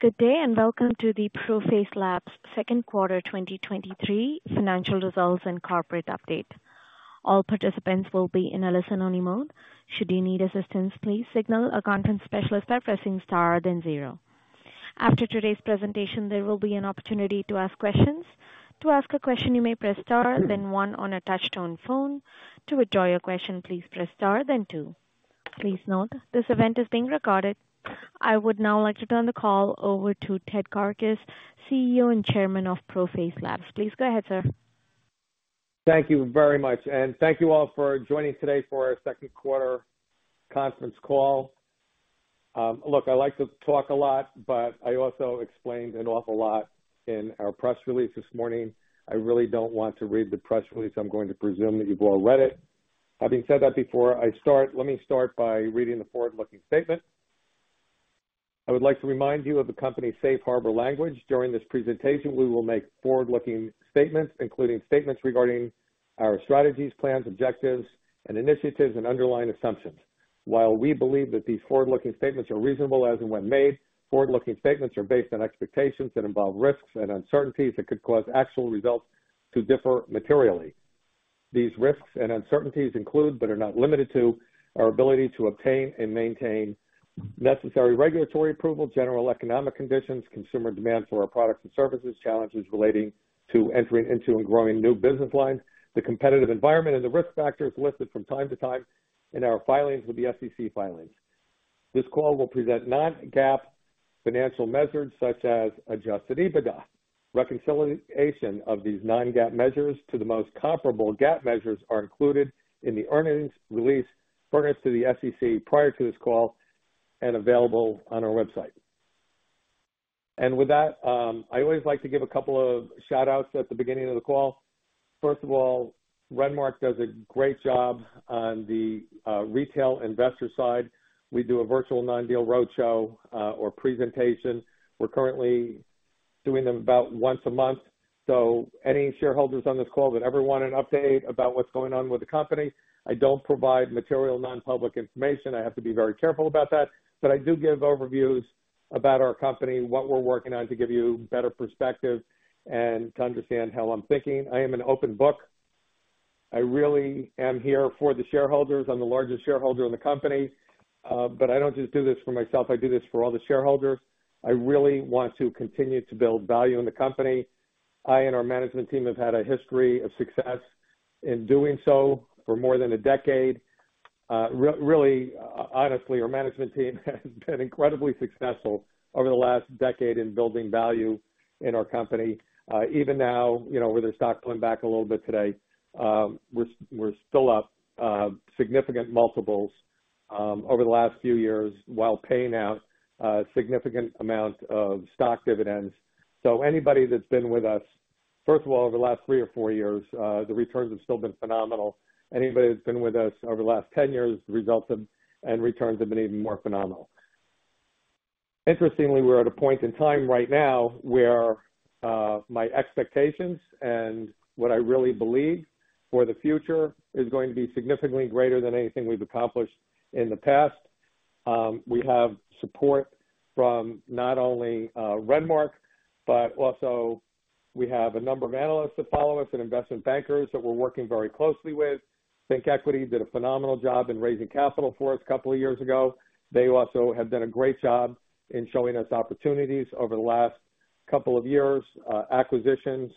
Good day. Welcome to the ProPhase Labs Q2 2023 financial results and corporate update. All participants will be in a listen-only mode. Should you need assistance, please signal a conference specialist by pressing star, then 0. After today's presentation, there will be an opportunity to ask questions. To ask a question, you may press star then 1 on a touchtone phone. To withdraw your question, please press star, then 2. Please note, this event is being recorded. I would now like to turn the call over to Ted Karkus, CEO and Chairman of ProPhase Labs. Please go ahead, sir. Thank you very much. Thank you all for joining today for our Q2 conference call. Look, I like to talk a lot, but I also explained an awful lot in our press release this morning. I really don't want to read the press release. I'm going to presume that you've all read it. Having said that, before I start, let me start by reading the forward-looking statement. I would like to remind you of the company's safe harbor language. During this presentation, we will make forward-looking statements, including statements regarding our strategies, plans, objectives, and initiatives and underlying assumptions. While we believe that these forward-looking statements are reasonable as and when made, forward-looking statements are based on expectations that involve risks and uncertainties that could cause actual results to differ materially. These risks and uncertainties include, but are not limited to, our ability to obtain and maintain necessary regulatory approval, general economic conditions, consumer demand for our products and services, challenges relating to entering into and growing new business lines, the competitive environment and the risk factors listed from time to time in our filings with the SEC filings. This call will present non-GAAP financial measures such as adjusted EBITDA. Reconciliation of these non-GAAP measures to the most comparable GAAP measures are included in the earnings release furnished to the SEC prior to this call and available on our website. With that, I always like to give a couple of shout-outs at the beginning of the call. First of all, Renmark does a great job on the retail investor side. We do a virtual non-deal roadshow or presentation. We're currently doing them about once a month. Any shareholders on this call that ever want an update about what's going on with the company, I don't provide material, non-public information. I have to be very careful about that. I do give overviews about our company, what we're working on, to give you better perspective and to understand how I'm thinking. I am an open book. I really am here for the shareholders. I'm the largest shareholder in the company. I don't just do this for myself. I do this for all the shareholders. I really want to continue to build value in the company. I and our management team have had a history of success in doing so for more than a decade. Really, honestly, our management team has been incredibly successful over the last decade in building value in our company. Even now, you know, with the stock going back a little bit today, we're, we're still up, significant multiples, over the last few years, while paying out, significant amounts of stock dividends. Anybody that's been with us, first of all, over the last 3 or 4 years, the returns have still been phenomenal. Anybody that's been with us over the last 10 years, the results and, and returns have been even more phenomenal. Interestingly, we're at a point in time right now where, my expectations and what I really believe for the future is going to be significantly greater than anything we've accomplished in the past. We have support from not only, Renmark, but also we have a number of analysts that follow us and investment bankers that we're working very closely with. ThinkEquity did a phenomenal job in raising capital for us 2 years ago. They also have done a great job in showing us opportunities over the last 2 years. Acquisitions,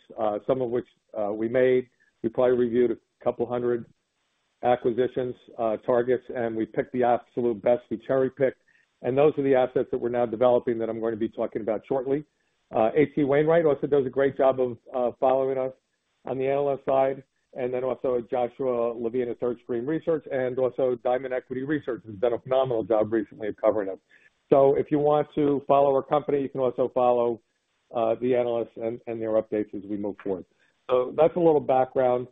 some of which, we made. We probably reviewed 200 acquisitions targets, and we picked the absolute best. We cherry-picked, and those are the assets that we're now developing that I'm going to be talking about shortly. H.C. Wainwright also does a great job of following us on the analyst side, and then also Joshua Levine at Third Street Research, and also Diamond Equity Research has done a phenomenal job recently of covering us. If you want to follow our company, you can also follow the analysts and their updates as we move forward. That's a little background.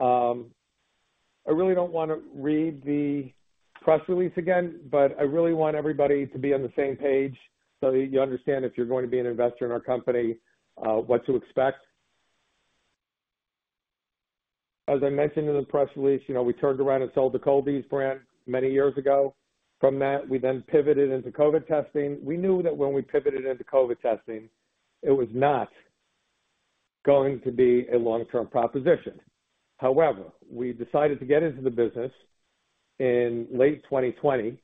I really don't wanna read the press release again, but I really want everybody to be on the same page so that you understand, if you're going to be an investor in our company, what to expect. As I mentioned in the press release, you know, we turned around and sold the Cold-Ease brand many years ago. From that, we then pivoted into COVID testing. We knew that when we pivoted into COVID testing, it was not going to be a long-term proposition. However, we decided to get into the business. In late 2020,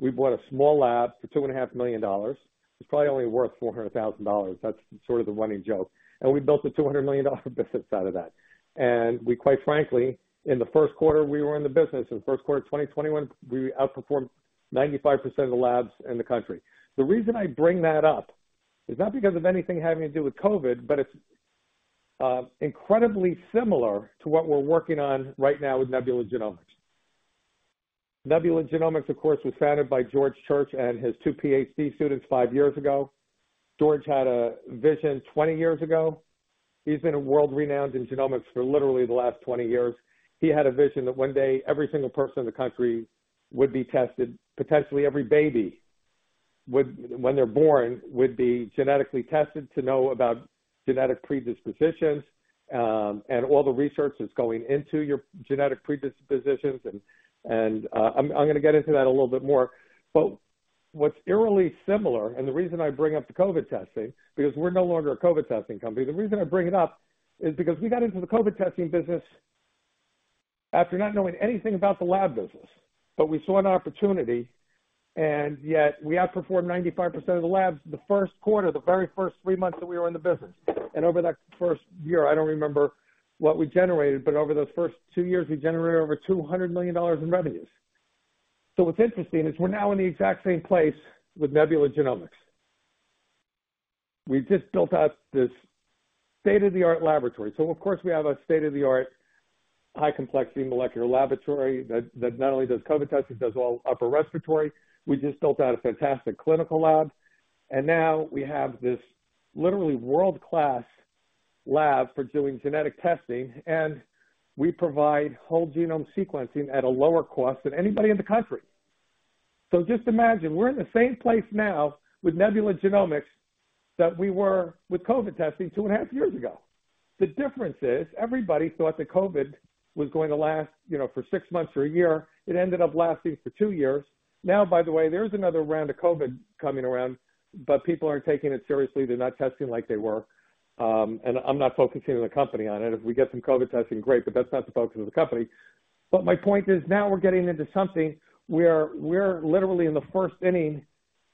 we bought a small lab for $2.5 million. It's probably only worth $400,000. That's sort of the running joke. We built a $200 million business out of that. We quite frankly, in the Q1, we were in the business. In the Q1 of 2021, we outperformed 95% of the labs in the country. The reason I bring that up is not because of anything having to do with COVID, but it's incredibly similar to what we're working on right now with Nebula Genomics. Nebula Genomics, of course, was founded by George Church and his two PhD students five years ago. George had a vision 20 years ago. He's been world-renowned in genomics for literally the last 20 years. He had a vision that one day, every single person in the country would be tested. Potentially, every baby would when they're born, would be genetically tested to know about genetic predispositions. And all the research that's going into your genetic predispositions, and I'm gonna get into that a little bit more. What's eerily similar, and the reason I bring up the COVID testing, because we're no longer a COVID testing company. The reason I bring it up is because we got into the COVID testing business after not knowing anything about the lab business, but we saw an opportunity, and yet we outperformed 95% of the labs the 1st quarter, the very 1st 3 months that we were in the business. Over that 1st year, I don't remember what we generated, but over those 1st 2 years, we generated over $200 million in revenues. What's interesting is we're now in the exact same place with Nebula Genomics. We just built out this state-of-the-art laboratory. Of course, we have a state-of-the-art, high complexity molecular laboratory that, that not only does COVID testing, does all upper respiratory. We just built out a fantastic clinical lab. Now we have this literally world-class lab for doing genetic testing. We provide whole-genome sequencing at a lower cost than anybody in the country. Just imagine, we're in the same place now with Nebula Genomics that we were with COVID testing 2.5 years ago. The difference is, everybody thought that COVID was going to last, you know, for 6 months or 1 year. It ended up lasting for 2 years. By the way, there's another round of COVID coming around. People aren't taking it seriously. They're not testing like they were. I'm not focusing the company on it. If we get some COVID testing, great. That's not the focus of the company. My point is, now we're getting into something where we're literally in the first inning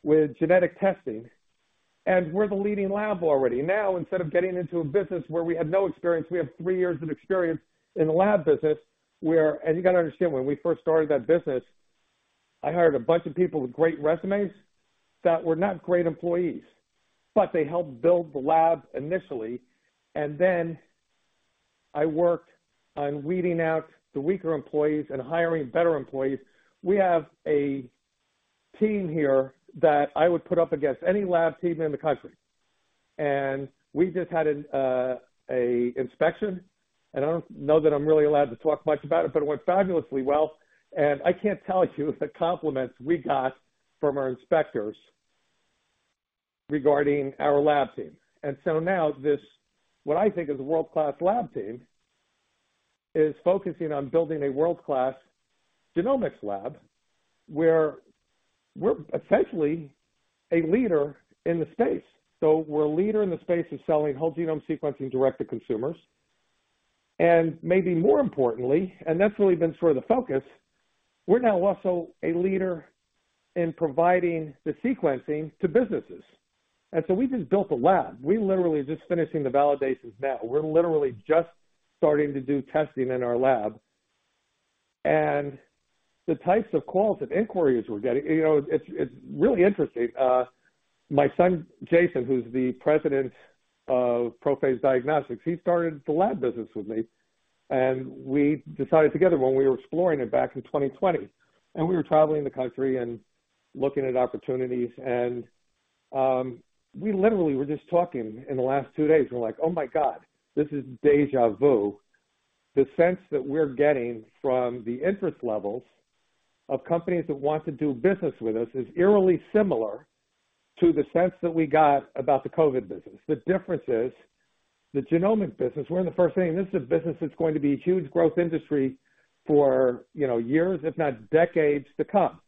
with genetic testing, and we're the leading lab already. Now, instead of getting into a business where we have no experience, we have three years of experience in the lab business, where. You got to understand, when we first started that business, I hired a bunch of people with great resumes that were not great employees, but they helped build the lab initially, and then I worked on weeding out the weaker employees and hiring better employees. We have a team here that I would put up against any lab team in the country. We just had an inspection. I don't know that I'm really allowed to talk much about it. It went fabulously well. I can't tell you the compliments we got from our inspectors regarding our lab team. Now this, what I think is a world-class lab team, is focusing on building a world-class genomics lab, where we're essentially a leader in the space. We're a leader in the space of selling whole-genome sequencing direct to consumers. Maybe more importantly, that's really been sort of the focus, we're now also a leader in providing the sequencing to businesses. We just built a lab. We literally just finishing the validations now. We're literally just starting to do testing in our lab, and the types of calls and inquiries we're getting, you know, it's, it's really interesting. My son, Jason, who's the president of ProPhase Diagnostics, he started the lab business with me, and we decided together when we were exploring it back in 2020, and we were traveling the country and looking at opportunities and we literally were just talking in the last two days. We're like, oh, my God, this is deja vu. The sense that we're getting from the interest levels of companies that want to do business with us is eerily similar to the sense that we got about the COVID business. The difference is, the genomics business, we're in the first inning. This is a business that's going to be a huge growth industry for, you know, years, if not decades to come.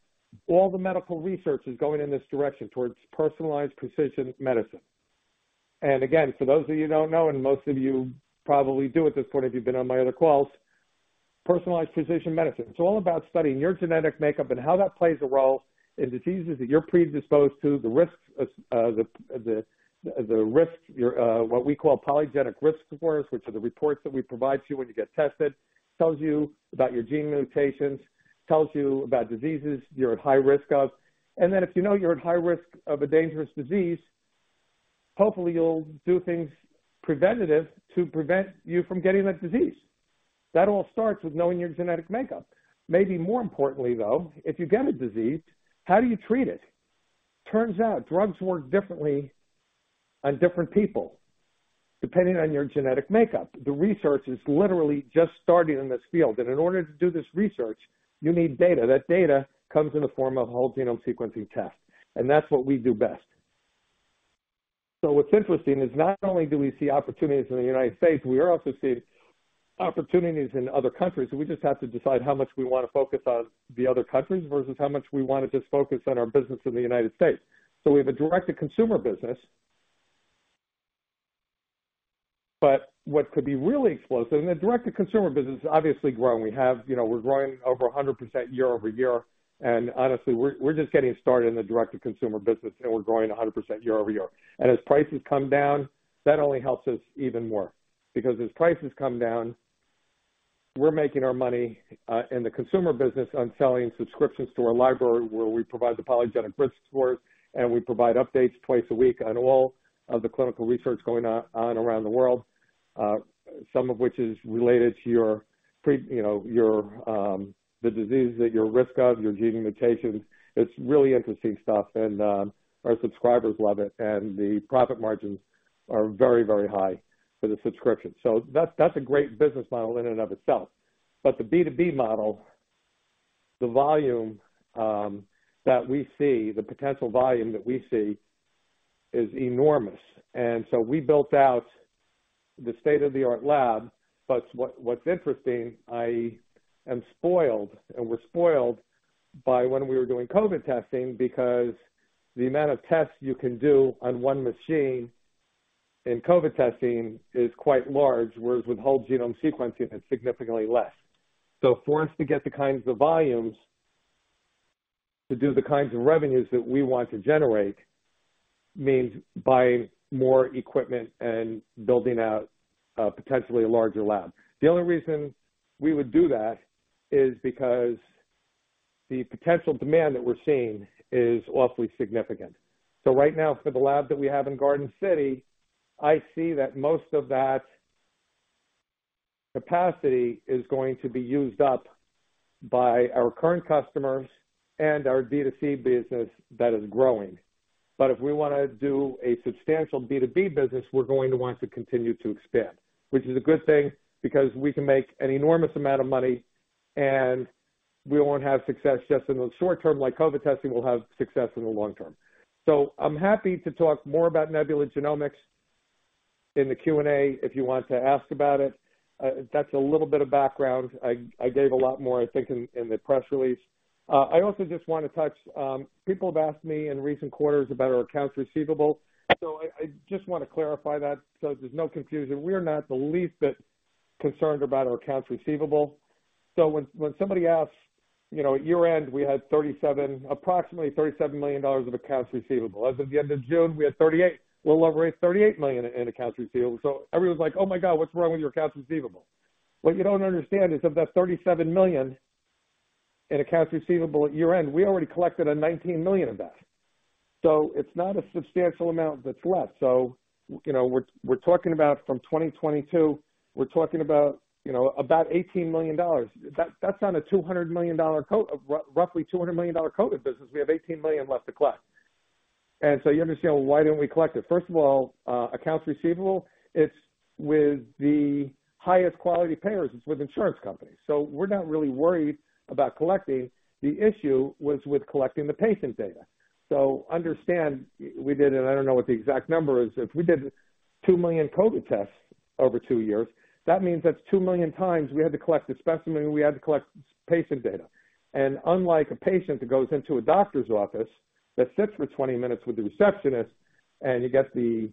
All the medical research is going in this direction towards personalized precision medicine. Again, for those of you who don't know, and most of you probably do at this point, if you've been on my other calls, personalized precision medicine. It's all about studying your genetic makeup and how that plays a role in diseases that you're predisposed to, the risks of, the, the, the risk, your, what we call polygenic risk scores, which are the reports that we provide to you when you get tested, tells you about your gene mutations, tells you about diseases you're at high risk of. Then if you know you're at high risk of a dangerous disease, hopefully, you'll do things preventative to prevent you from getting that disease. That all starts with knowing your genetic makeup. Maybe more importantly, though, if you get a disease, how do you treat it? Turns out drugs work differently on different people, depending on your genetic makeup. The research is literally just starting in this field, and in order to do this research, you need data. That data comes in the form of whole-genome sequencing tests, and that's what we do best. What's interesting is not only do we see opportunities in the United States, we are also seeing opportunities in other countries, so we just have to decide how much we want to focus on the other countries versus how much we want to just focus on our business in the United States. We have a direct-to-consumer business, but what could be really explosive, and the direct-to-consumer business is obviously growing. We have, you know, we're growing over 100% year-over-year, and honestly, we're, we're just getting started in the direct-to-consumer business, and we're growing 100% year-over-year. As prices come down, that only helps us even more because as prices come down, we're making our money in the consumer business on selling subscriptions to our library, where we provide the polygenic risk score, and we provide updates 2 times a week on all of the clinical research going on, on around the world, some of which is related to your pre, you know, your, the disease that you're at risk of, your gene mutations. It's really interesting stuff, and our subscribers love it, and the profit margins are very, very high for the subscription. That's, that's a great business model in and of itself. But the B2B model-... the volume that we see, the potential volume that we see is enormous. We built out the state-of-the-art lab. What, what's interesting, I am spoiled, and we're spoiled by when we were doing COVID testing, because the amount of tests you can do on 1 machine in COVID testing is quite large, whereas with whole-genome sequencing, it's significantly less. For us to get the kinds of volumes, to do the kinds of revenues that we want to generate, means buying more equipment and building out, potentially a larger lab. The only reason we would do that is because the potential demand that we're seeing is awfully significant. Right now, for the lab that we have in Garden City, I see that most of that capacity is going to be used up by our current customers and our D2C business that is growing. If we want to do a substantial B2B business, we're going to want to continue to expand. Which is a good thing because we can make an enormous amount of money, and we won't have success just in the short term, like COVID testing, we'll have success in the long term. I'm happy to talk more about Nebula Genomics in the Q&A if you want to ask about it. That's a little bit of background. I, I gave a lot more, I think, in, in the press release. I also just want to touch, people have asked me in recent quarters about our accounts receivable, so I, I just want to clarify that so there's no confusion. We're not the least bit concerned about our accounts receivable. When, when somebody asks, you know, at year-end, we had approximately $37 million of accounts receivable. As of the end of June, we had 38. We'll raise $38 million in accounts receivable. Everyone's like, "Oh, my God, what's wrong with your accounts receivable?" What you don't understand is of that $37 million in accounts receivable at year-end, we already collected $19 million of that. It's not a substantial amount that's left. You know, we're, we're talking about from 2022, we're talking about, you know, about $18 million. That, that's on a $200 million COVID-- roughly $200 million COVID business, we have $18 million left to collect. You understand, why didn't we collect it? First of all, accounts receivable, it's with the highest quality payers. It's with insurance companies. We're not really worried about collecting. The issue was with collecting the patient data. Understand, we did, and I don't know what the exact number is. If we did 2 million COVID tests over 2 years, that means that's 2 million times we had to collect a specimen, we had to collect patient data. Unlike a patient that goes into a doctor's office, that sits for 20 minutes with the receptionist, and you get the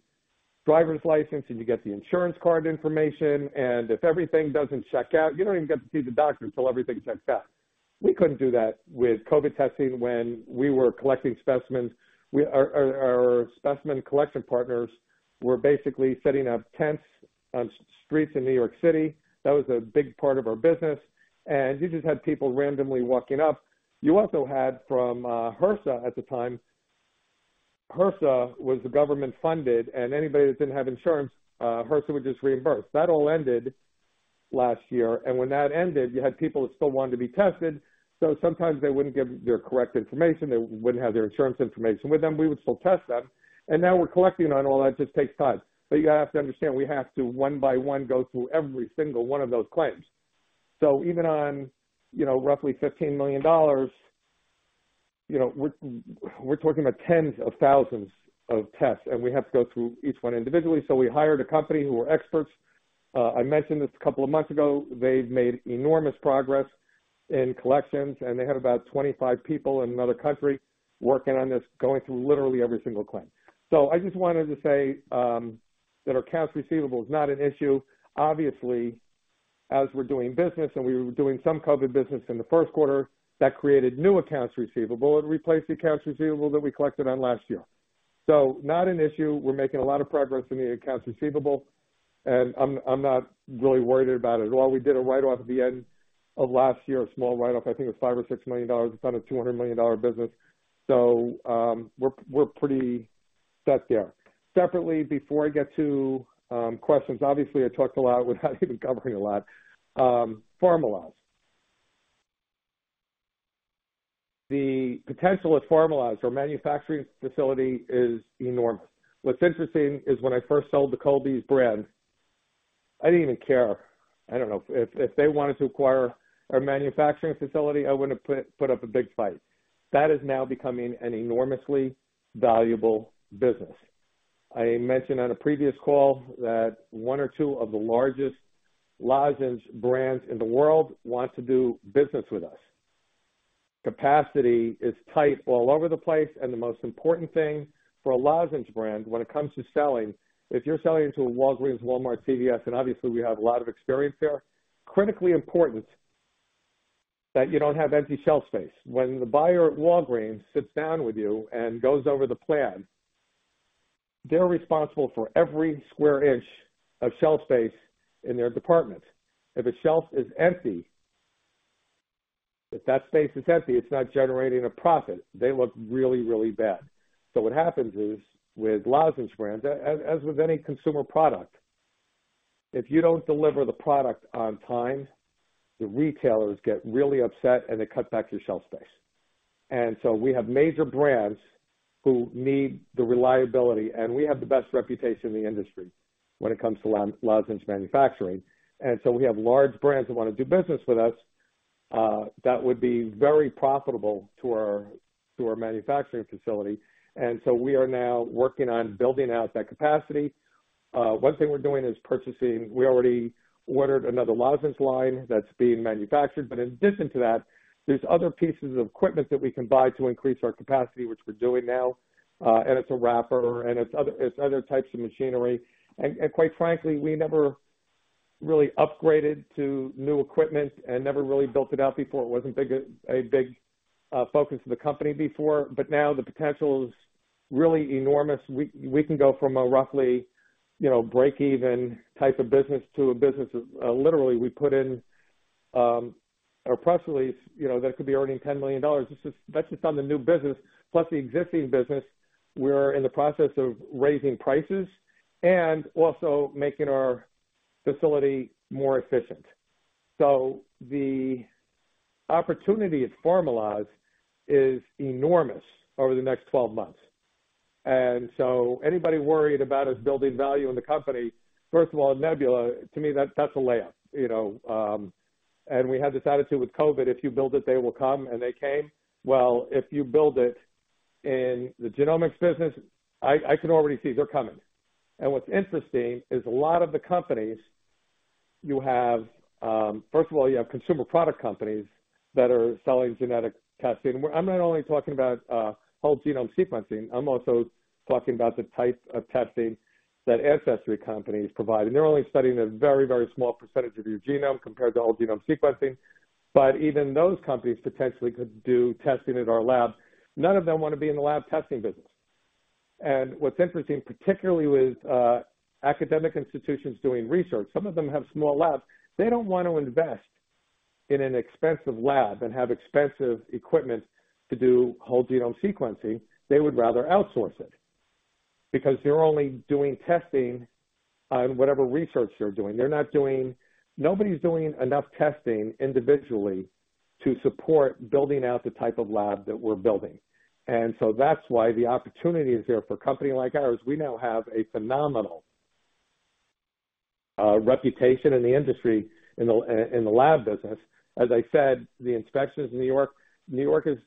driver's license, and you get the insurance card information, and if everything doesn't check out, you don't even get to see the doctor until everything checks out. We couldn't do that with COVID testing when we were collecting specimens. Our specimen collection partners were basically setting up tents on streets in New York City. That was a big part of our business, and you just had people randomly walking up. You also had from HRSA at the time. HRSA was government-funded, and anybody that didn't have insurance, HRSA would just reimburse. That all ended last year, and when that ended, you had people that still wanted to be tested, so sometimes they wouldn't give their correct information. They wouldn't have their insurance information with them. We would still test them. Now we're collecting on all that, just takes time. You have to understand, we have to, one by one, go through every single one of those claims. Even on, you know, roughly $15 million, you know, we're, we're talking about tens of thousands of tests, and we have to go through each one individually. We hired a company who were experts. I mentioned this a couple of months ago. They've made enormous progress in collections, and they have about 25 people in another country working on this, going through literally every single claim. I just wanted to say that our accounts receivable is not an issue. Obviously, as we're doing business, and we were doing some COVID business in the Q1, that created new accounts receivable. It replaced the accounts receivable that we collected on last year. Not an issue. We're making a lot of progress in the accounts receivable, and I'm, I'm not really worried about it. Well, we did a write-off at the end of last year, a small write-off, I think it was $5 million-$6 million on a $200 million business. We're, we're pretty set there. Separately, before I get to questions, obviously, I talked a lot without even covering a lot. Pharmaloz. The potential with Pharmaloz, our manufacturing facility, is enormous. What's interesting is when I first sold the Colby's brand, I didn't even care. I don't know if, if they wanted to acquire our manufacturing facility, I wouldn't have put, put up a big fight. That is now becoming an enormously valuable business. I mentioned on a previous call that one or two of the largest lozenge brands in the world want to do business with us. Capacity is tight all over the place, and the most important thing for a lozenge brand when it comes to selling, if you're selling to a Walgreens, Walmart, CVS, and obviously we have a lot of experience there, critically important that you don't have empty shelf space. When the buyer at Walgreens sits down with you and goes over the plan, they're responsible for every square inch of shelf space in their department. If a shelf is empty, if that space is empty, it's not generating a profit. They look really, really bad. What happens is, with lozenge brands, as with any consumer product, if you don't deliver the product on time, the retailers get really upset, and they cut back your shelf space. We have major brands who need the reliability, and we have the best reputation in the industry when it comes to lozenge manufacturing. We have large brands who want to do business with us, that would be very profitable to our, to our manufacturing facility. We are now working on building out that capacity. One thing we're doing is purchasing. We already ordered another lozenge line that's being manufactured, but in addition to that, there's other pieces of equipment that we can buy to increase our capacity, which we're doing now, and it's a wrapper and it's other, it's other types of machinery. Quite frankly, we never really upgraded to new equipment and never really built it out before. It wasn't big, a big focus of the company before, but now the potential is really enormous. We, we can go from a roughly, you know, break even type of business to a business, literally we put in, or approximately, you know, that could be earning $10 million. This is, that's just on the new business, plus the existing business. We're in the process of raising prices and also making our facility more efficient. The opportunity at Formalyst is enormous over the next 12 months. Anybody worried about us building value in the company, first of all, Nebula, to me, that's, that's a layup, you know. We had this attitude with COVID, if you build it, they will come, and they came. Well, if you build it in the genomics business, I, I can already see they're coming. What's interesting is a lot of the companies you have. First of all, you have consumer product companies that are selling genetic testing. I'm not only talking about whole-genome sequencing, I'm also talking about the type of testing that ancestry companies provide. They're only studying a very, very small percentage of your genome compared to whole-genome sequencing. Even those companies potentially could do testing at our lab. None of them want to be in the lab testing business. What's interesting, particularly with academic institutions doing research, some of them have small labs. They don't want to invest in an expensive lab and have expensive equipment to do whole-genome sequencing. They would rather outsource it because they're only doing testing on whatever research they're doing. Nobody's doing enough testing individually to support building out the type of lab that we're building. That's why the opportunity is there for a company like ours. We now have a phenomenal reputation in the industry, in the, in the lab business. As I said, the inspections in New York. New York is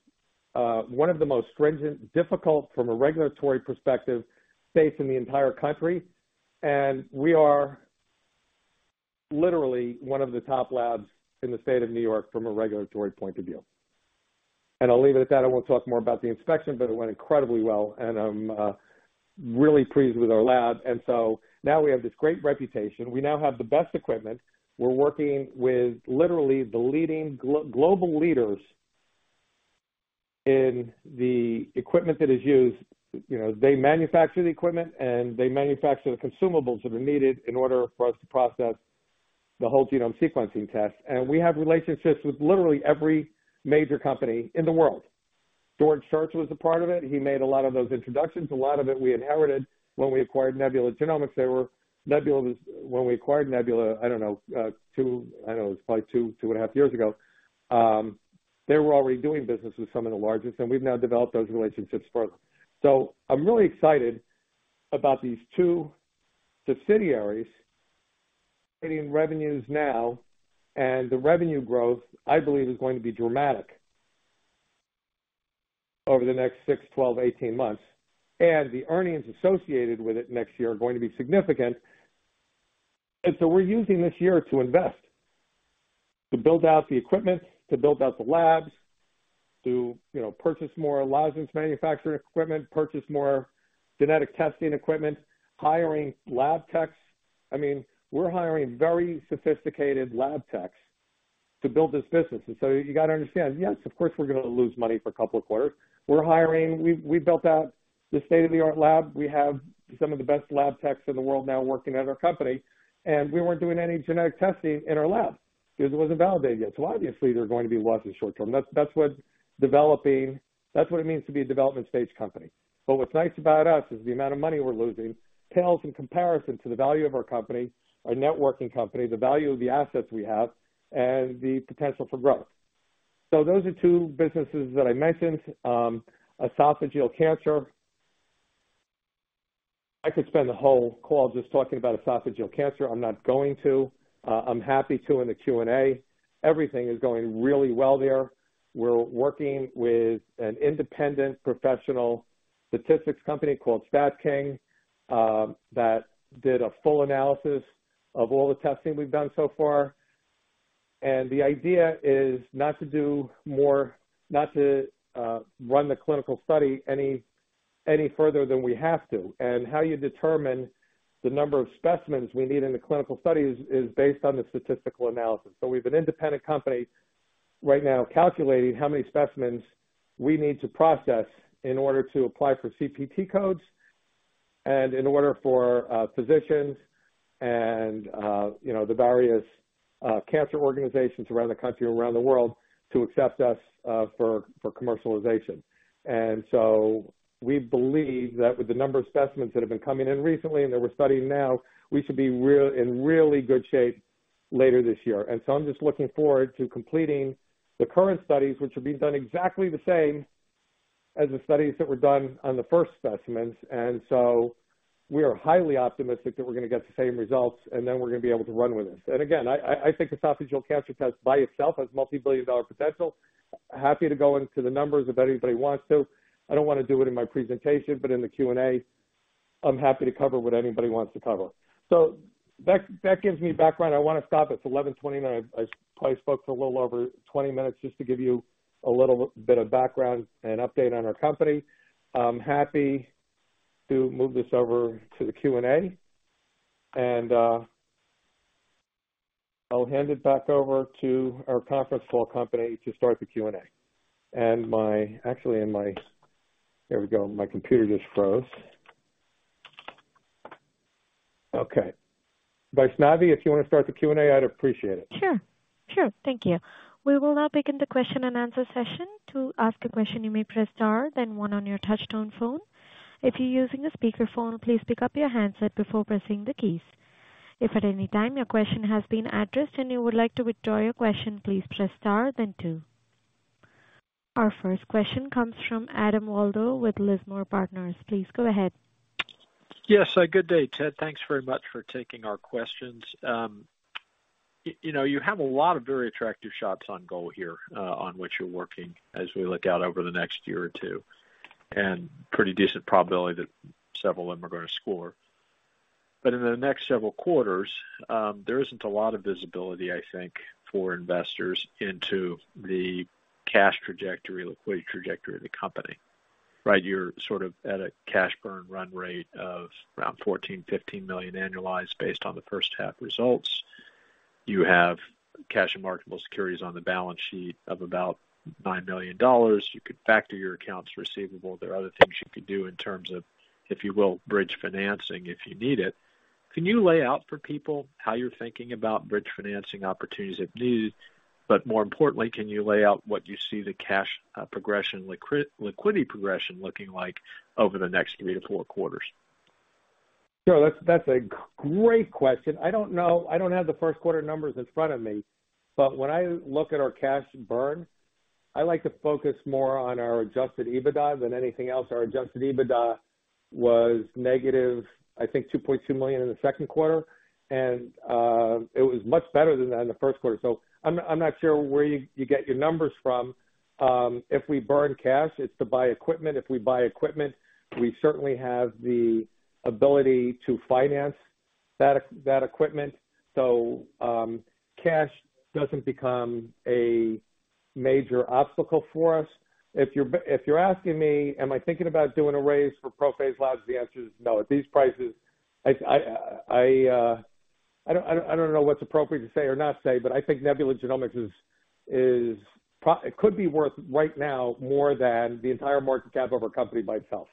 one of the most stringent, difficult from a regulatory perspective, state in the entire country. We are literally one of the top labs in the state of New York from a regulatory point of view. I'll leave it at that. I won't talk more about the inspection, but it went incredibly well, and I'm really pleased with our lab. Now we have this great reputation. We now have the best equipment. We're working with literally the leading global leaders in the equipment that is used. You know, they manufacture the equipment, and they manufacture the consumables that are needed in order for us to process the whole-genome sequencing test. We have relationships with literally every major company in the world. George Church was a part of it. He made a lot of those introductions. A lot of it we inherited when we acquired Nebula Genomics. They were, Nebula- When we acquired Nebula, I don't know, two, I don't know, it's probably two, two and a half years ago, they were already doing business with some of the largest, and we've now developed those relationships further. I'm really excited about these two subsidiaries creating revenues now, and the revenue growth, I believe, is going to be dramatic over the next six, 12, 18 months, and the earnings associated with it next year are going to be significant. We're using this year to invest, to build out the equipment, to build out the labs, to, you know, purchase more lozenge manufacturing equipment, purchase more genetic testing equipment, hiring lab techs. I mean, we're hiring very sophisticated lab techs to build this business. You got to understand, yes, of course, we're going to lose money for a couple of quarters. We're hiring. We've built out the state-of-the-art lab. We have some of the best lab techs in the world now working at our company, and we weren't doing any genetic testing in our lab because it wasn't validated yet. Obviously, there are going to be losses short term. That's what developing-- that's what it means to be a development stage company. What's nice about us is the amount of money we're losing pales in comparison to the value of our company, our networking company, the value of the assets we have, and the potential for growth. Those are two businesses that I mentioned. Esophageal cancer. I could spend the whole call just talking about esophageal cancer. I'm not going to. I'm happy to in the Q&A. Everything is going really well there. We're working with an independent professional statistics company called StatKing that did a full analysis of all the testing we've done so far. The idea is not to do more, not to run the clinical study any, any further than we have to. How you determine the number of specimens we need in the clinical study is, is based on the statistical analysis. We've an independent company right now calculating how many specimens we need to process in order to apply for CPT codes and in order for physicians and, you know, the various cancer organizations around the country and around the world to accept us for commercialization. We believe that with the number of specimens that have been coming in recently and that we're studying now, we should be in really good shape later this year. I'm just looking forward to completing the current studies, which are being done exactly the same as the studies that were done on the first specimens. We are highly optimistic that we're gonna get the same results, and then we're gonna be able to run with this. Again, I, I think esophageal cancer test by itself has multi-billion dollar potential. Happy to go into the numbers if anybody wants to. I don't wanna do it in my presentation, but in the Q&A, I'm happy to cover what anybody wants to cover. That, that gives me background. I wanna stop. It's 11:29 A.M. I probably spoke for a little over 20 minutes just to give you a little bit of background and update on our company. I'm happy to move this over to the Q&A, I'll hand it back over to our conference call company to start the Q&A. Actually in my... Here we go. My computer just froze. Vice Navi, if you wanna start the Q&A, I'd appreciate it. Sure, sure. Thank you. We will now begin the question and answer session. To ask a question, you may press star, then one on your touchtone phone. If you're using a speakerphone, please pick up your handset before pressing the keys. If at any time your question has been addressed and you would like to withdraw your question, please press star then two. Our first question comes from Adam Waldo with Lismore Partners. Please go ahead. Yes, good day, Ted. Thanks very much for taking our questions. You know, you have a lot of very attractive shots on goal here, on which you're working as we look out over the next year or two, and pretty decent probability that several of them are gonna score. In the next several quarters, there isn't a lot of visibility, I think, for investors into the cash trajectory, liquidity trajectory of the company, right? You're sort of at a cash burn run rate of around $14 million-$15 million annualized based on the first half results. You have cash and marketable securities on the balance sheet of about $9 million. You could factor your accounts receivable. There are other things you could do in terms of, if you will, bridge financing, if you need it. Can you lay out for people how you're thinking about bridge financing opportunities if needed, but more importantly, can you lay out what you see the cash, progression, liquidity progression looking like over the next three to four quarters? Sure. That's, that's a great question. I don't know. I don't have the Q1 numbers in front of me, but when I look at our cash burn, I like to focus more on our adjusted EBITDA than anything else. Our adjusted EBITDA was negative, I think, $2.2 million in the Q2, and it was much better than that in the Q1. I'm not sure where you get your numbers from. If we burn cash, it's to buy equipment. If we buy equipment, we certainly have the ability to finance that equipment. Cash doesn't become a major obstacle for us. If you're asking me, am I thinking about doing a raise for ProPhase Labs, the answer is no. At these prices, I, I, I, I don't, I don't know what's appropriate to say or not say, but I think Nebula Genomics is, is it could be worth right now more than the entire market cap of our company by itself.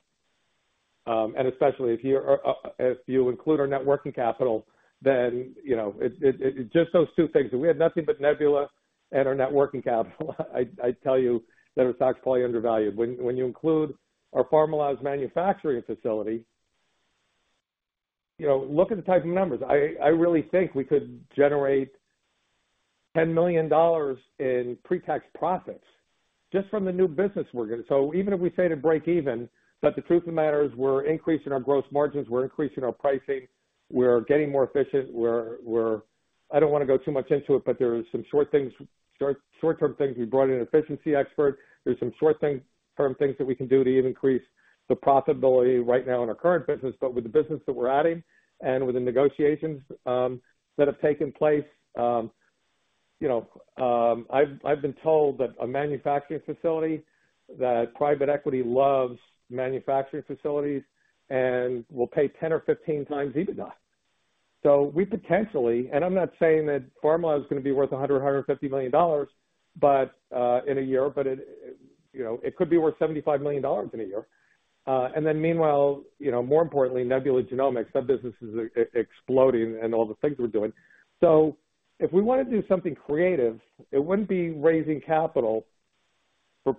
Especially if you are, if you include our net working capital, then, you know, it, it, just those two things. If we had nothing but Nebula and our net working capital, I'd, I'd tell you that our stock is probably undervalued. When, when you include our Pharmaloz Manufacturing facility, you know, look at the type of numbers. I, I really think we could generate $10 million in pre-tax profits just from the new business we're getting. Even if we say to break even, but the truth of the matter is we're increasing our gross margins, we're increasing our pricing, we're getting more efficient, I don't wanna go too much into it, but there are some short things, short, short-term things. We brought in an efficiency expert. There's some short-term things that we can do to even increase the profitability right now in our current business. With the business that we're adding and with the negotiations that have taken place, you know, I've, I've been told that a manufacturing facility, that private equity loves manufacturing facilities and will pay 10 or 15 times EBITDA. We potentially, and I'm not saying that ProPhase Labs is gonna be worth $100 million-$150 million, but in a year, but it, you know, it could be worth $75 million in a year. Then meanwhile, you know, more importantly, Nebula Genomics, that business is exploding and all the things we're doing. If we want to do something creative, it wouldn't be raising capital for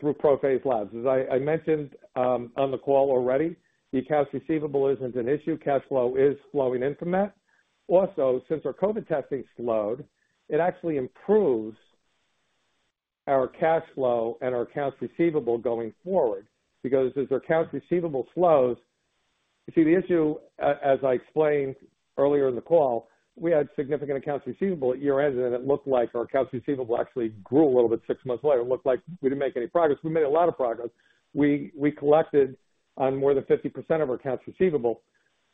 through ProPhase Labs. As I, I mentioned on the call already, the accounts receivable isn't an issue. Cash flow is flowing in from that. Also, since our COVID testing slowed, it actually improves our cash flow and our accounts receivable going forward, because as our accounts receivable slows... You see, the issue, as I explained earlier in the call, we had significant accounts receivable at year-end, and it looked like our accounts receivable actually grew a little bit six months later. It looked like we didn't make any progress. We made a lot of progress. We collected on more than 50% of our accounts receivable,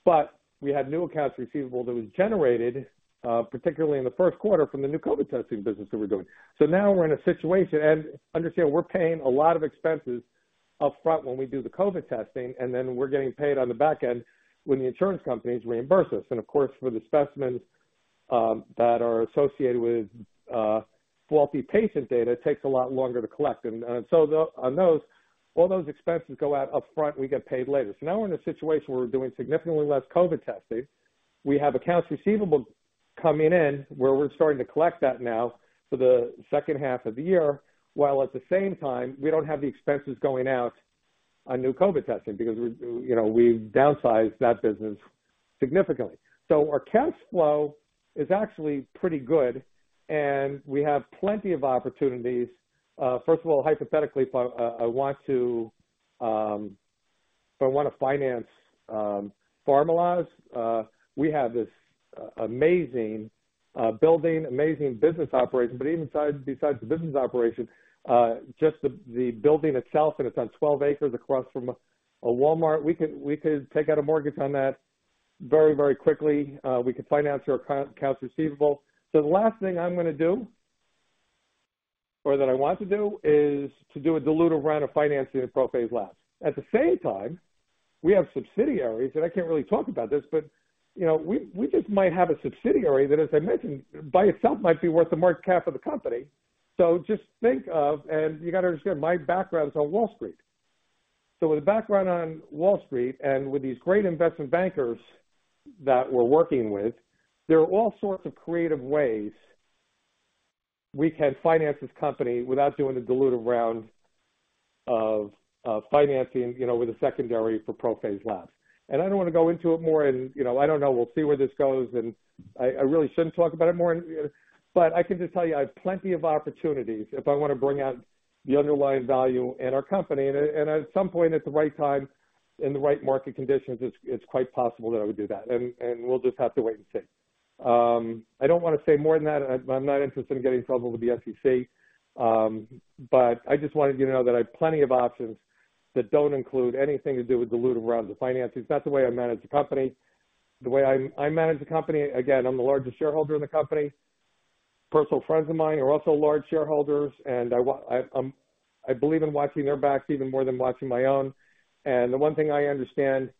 but we had new accounts receivable that was generated particularly in the Q1 from the new COVID testing business that we're doing. Now we're in a situation. Understand, we're paying a lot of expenses upfront when we do the COVID testing, and then we're getting paid on the back end when the insurance companies reimburse us. Of course, for the specimens that are associated with faulty patient data, it takes a lot longer to collect. All those expenses go out upfront, we get paid later. Now we're in a situation where we're doing significantly less COVID testing. We have accounts receivable coming in, where we're starting to collect that now for the second half of the year, while at the same time, we don't have the expenses going out on new COVID testing because we, you know, we've downsized that business significantly. Our cash flow is actually pretty good, and we have plenty of opportunities. First of all, hypothetically, if I, I want to, if I wanna finance, Pharmaloz, we have this amazing building, amazing business operation. Even besides the business operation, just the building itself, and it's on 12 acres across from a Walmart. We could take out a mortgage on that very, very quickly. We could finance our accounts receivable. The last thing I'm gonna do, or that I want to do, is to do a dilutive round of financing at ProPhase Labs. At the same time, we have subsidiaries, and I can't really talk about this, but, you know, we just might have a subsidiary that, as I mentioned, by itself, might be worth the market cap of the company. Just think of... and you gotta understand, my background is on Wall Street. With a background on Wall Street and with these great investment bankers that we're working with, there are all sorts of creative ways we can finance this company without doing the dilutive round of financing, you know, with a secondary for ProPhase Labs. I don't wanna go into it more and, you know, I don't know, we'll see where this goes, and I, I really shouldn't talk about it more, but I can just tell you, I have plenty of opportunities if I wanna bring out the underlying value in our company. At, and at some point, at the right time, in the right market conditions, it's, it's quite possible that I would do that, and, and we'll just have to wait and see. I don't wanna say more than that. I'm not interested in getting in trouble with the SEC, but I just wanted you to know that I have plenty of options that don't include anything to do with dilutive rounds of financing. It's not the way I manage the company. The way I, I manage the company, again, I'm the largest shareholder in the company. Personal friends of mine are also large shareholders, I believe in watching their backs even more than watching my own. The one thing I understand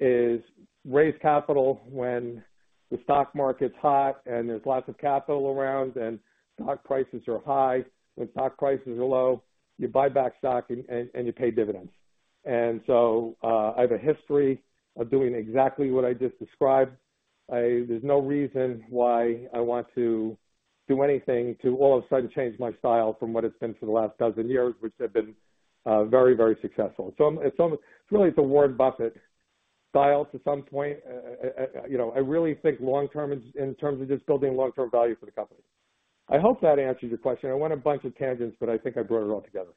is raise capital when the stock market's hot and there's lots of capital around and stock prices are high. When stock prices are low, you buy back stock and, and, you pay dividends. I have a history of doing exactly what I just described. There's no reason why I want to do anything to all of a sudden change my style from what it's been for the last 12 years, which have been very, very successful. It's almost, it's really the Warren Buffett style to some point. You know, I really think long term in, in terms of just building long-term value for the company. I hope that answers your question. I went on a bunch of tangents, but I think I brought it all together.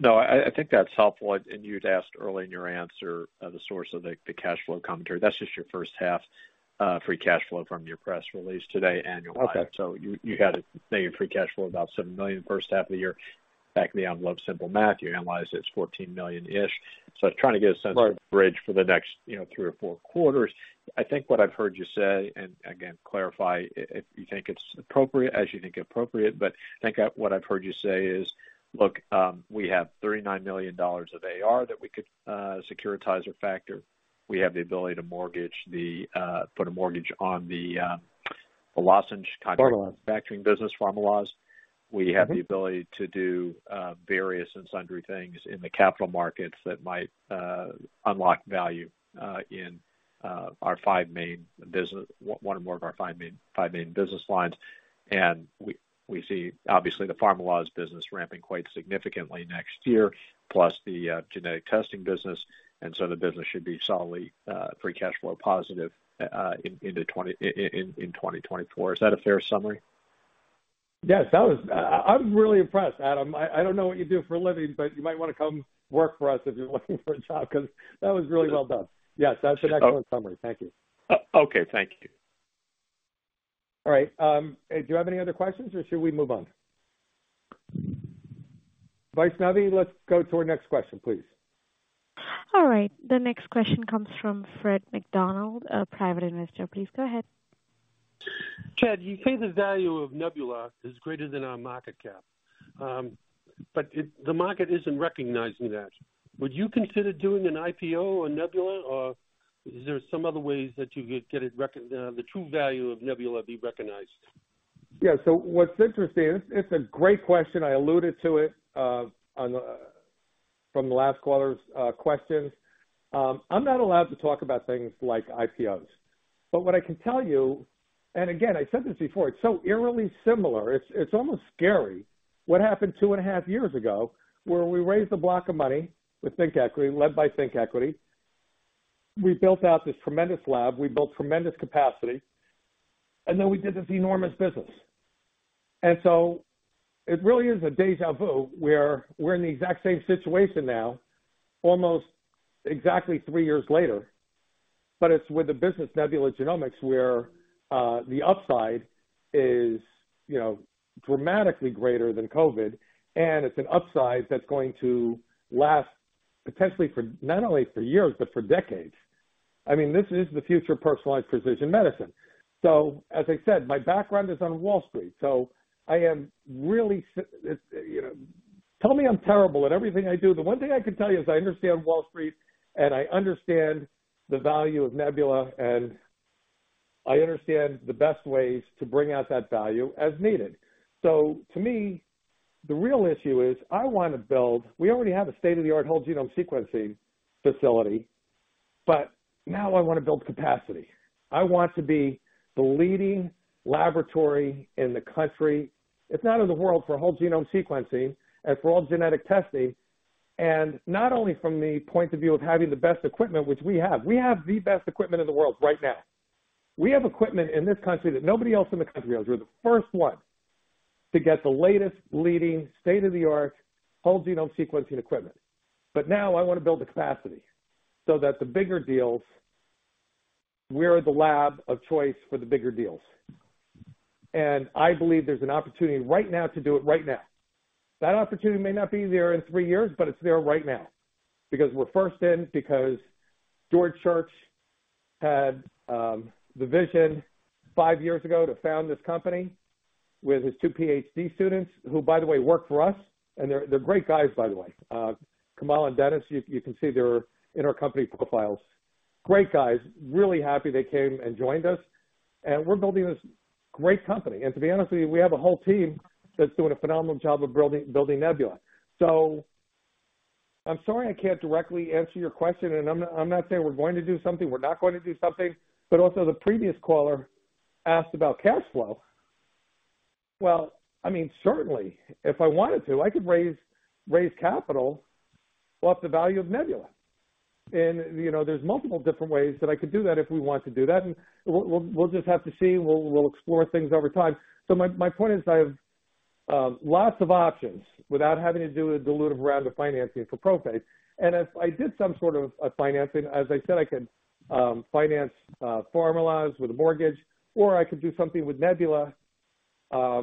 No, I, I think that's helpful. You'd asked earlier in your answer, the source of the, the cash flow commentary. That's just your first half, free cash flow from your press release today, annual guide. Okay. You, you had to say your free cash flow, about $7 million the first half of the year. Back me, I love simple math. You analyze it, it's $14 million-ish. I was trying to get a sense- Right. Of the bridge for the next, you know, three or four quarters. I think what I've heard you say, and again, clarify if you think it's appropriate, as you think appropriate, but I think what I've heard you say is, "Look, we have $39 million of AR that we could securitize or factor. We have the ability to mortgage the, put a mortgage on the, the loss in Chicago. Pharmaloz. Manufacturing business, Pharmaloz. Mm-hmm. We have the ability to do various and sundry things in the capital markets that might unlock value in our five main business, one or more of our five main, five main business lines. We, we see, obviously, the Pharmaloz business ramping quite significantly next year, plus the genetic testing business, so the business should be solidly free cash flow positive into 2024. Is that a fair summary? Yes, that was... I'm really impressed, Adam. I don't know what you do for a living, but you might wanna come work for us if you're looking for a job, because that was really well done. Yes, that's an excellent summary. Thank you. Okay. Thank you. All right, do you have any other questions, or should we move on? Vice Navi, let's go to our next question, please. All right, the next question comes from Fred McDonald, a private investor. Please, go ahead. Chad, you say the value of Nebula is greater than our market cap, but the market isn't recognizing that. Would you consider doing an IPO on Nebula, or is there some other ways that you could get the true value of Nebula be recognized? What's interesting, it's, it's a great question. I alluded to it on from the last quarter's questions. I'm not allowed to talk about things like IPOs, but what I can tell you, and again, I said this before, it's so eerily similar, it's, it's almost scary what happened two and a half years ago, where we raised a block of money with ThinkEquity, led by ThinkEquity. We built out this tremendous lab, we built tremendous capacity, then we did this enormous business. It really is a deja vu, where we're in the exact same situation now, almost exactly three years later, but it's with the business, Nebula Genomics, where the upside is, you know, dramatically greater than COVID, and it's an upside that's going to last potentially for, not only for years, but for decades. I mean, this is the future of personalized precision medicine. As I said, my background is on Wall Street, so I am really It's, you know. Tell me I'm terrible at everything I do. The one thing I can tell you is I understand Wall Street, and I understand the value of Nebula, and I understand the best ways to bring out that value as needed. To me, the real issue is, I wanna build We already have a state-of-the-art whole genome sequencing facility. Now I wanna build capacity. I want to be the leading laboratory in the country, if not in the world, for whole genome sequencing and for all genetic testing, and not only from the point of view of having the best equipment, which we have. We have the best equipment in the world right now. We have equipment in this country that nobody else in the country has. We're the first one to get the latest, leading, state-of-the-art, whole-genome sequencing equipment. Now I wanna build the capacity so that the bigger deals, we're the lab of choice for the bigger deals. I believe there's an opportunity right now to do it right now. That opportunity may not be there in 3 years, but it's there right now because we're first in, because George Church had the vision 5 years ago to found this company with his two PhD students, who, by the way, work for us, and they're, they're great guys, by the way. Kamal and Dennis, you, you can see they're in our company profiles. Great guys, really happy they came and joined us, and we're building this great company. To be honest with you, we have a whole team that's doing a phenomenal job of building, building Nebula. I'm sorry, I can't directly answer your question, and I'm not, I'm not saying we're going to do something, we're not going to do something, but also the previous caller asked about cash flow. Well, I mean, certainly, if I wanted to, I could raise, raise capital off the value of Nebula. You know, there's multiple different ways that I could do that if we want to do that, and we'll, we'll, we'll just have to see. We'll, we'll explore things over time. My, my point is, I have lots of options without having to do a dilutive round of financing for ProPhase. If I did some sort of a financing, as I said, I could finance Pharmaloz with a mortgage, or I could do something with Nebula. I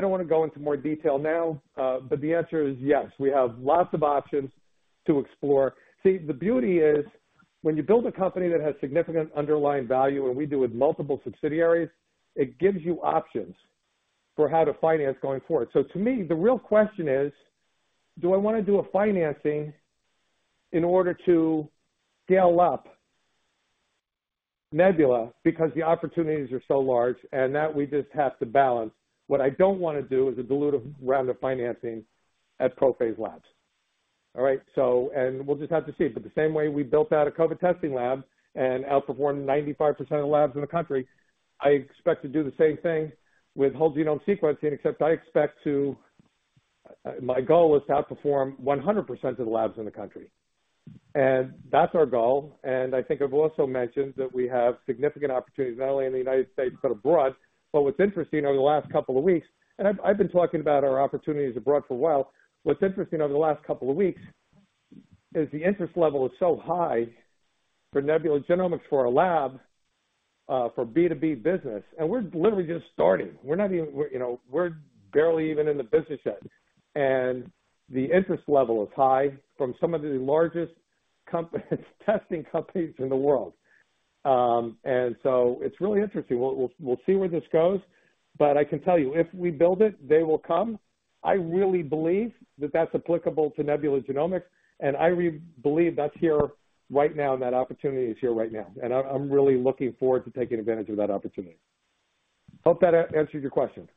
don't wanna go into more detail now, but the answer is yes, we have lots of options to explore. See, the beauty is when you build a company that has significant underlying value, and we do with multiple subsidiaries, it gives you options for how to finance going forward. To me, the real question is, do I wanna do a financing in order to scale up Nebula because the opportunities are so large and that we just have to balance. What I don't wanna do is a dilutive round of financing at ProPhase Labs. All right? We'll just have to see. The same way we built out a COVID testing lab and outperformed 95% of the labs in the country, I expect to do the same thing with whole-genome sequencing, except I expect to. My goal is to outperform 100% of the labs in the country, and that's our goal. I think I've also mentioned that we have significant opportunities, not only in the United States, but abroad. What's interesting over the last couple of weeks, and I've, I've been talking about our opportunities abroad for a while. What's interesting over the last couple of weeks is the interest level is so high for Nebula Genomics, for our lab, for B2B business, and we're literally just starting. We're not even, we're, you know, we're barely even in the business yet, and the interest level is high from some of the largest companies, testing companies in the world. So it's really interesting. We'll, we'll, we'll see where this goes, but I can tell you, if we build it, they will come. I really believe that that's applicable to Nebula Genomics. I believe that's here right now, and that opportunity is here right now, and I, I'm really looking forward to taking advantage of that opportunity. Hope that answered your question.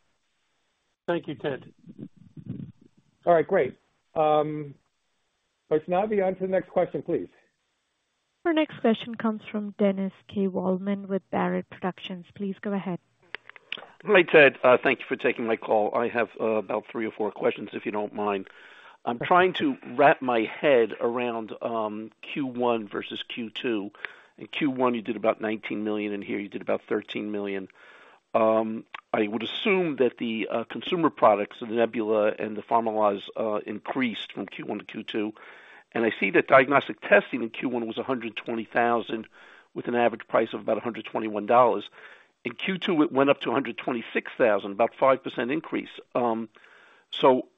Thank you, Ted. All right, great. Let's now be on to the next question, please. Our next question comes from Dennis K. Waldman with Barrett Productions. Please go ahead. Hi, Ted. Thank you for taking my call. I have about three or four questions, if you don't mind. I'm trying to wrap my head around Q1 versus Q2. In Q1, you did about $19 million, and here you did about $13 million. I would assume that the consumer products, the Nebula and the Pharmaloz, increased from Q1 to Q2, and I see that diagnostic testing in Q1 was 120,000, with an average price of about $121. In Q2, it went up to 126,000, about 5% increase.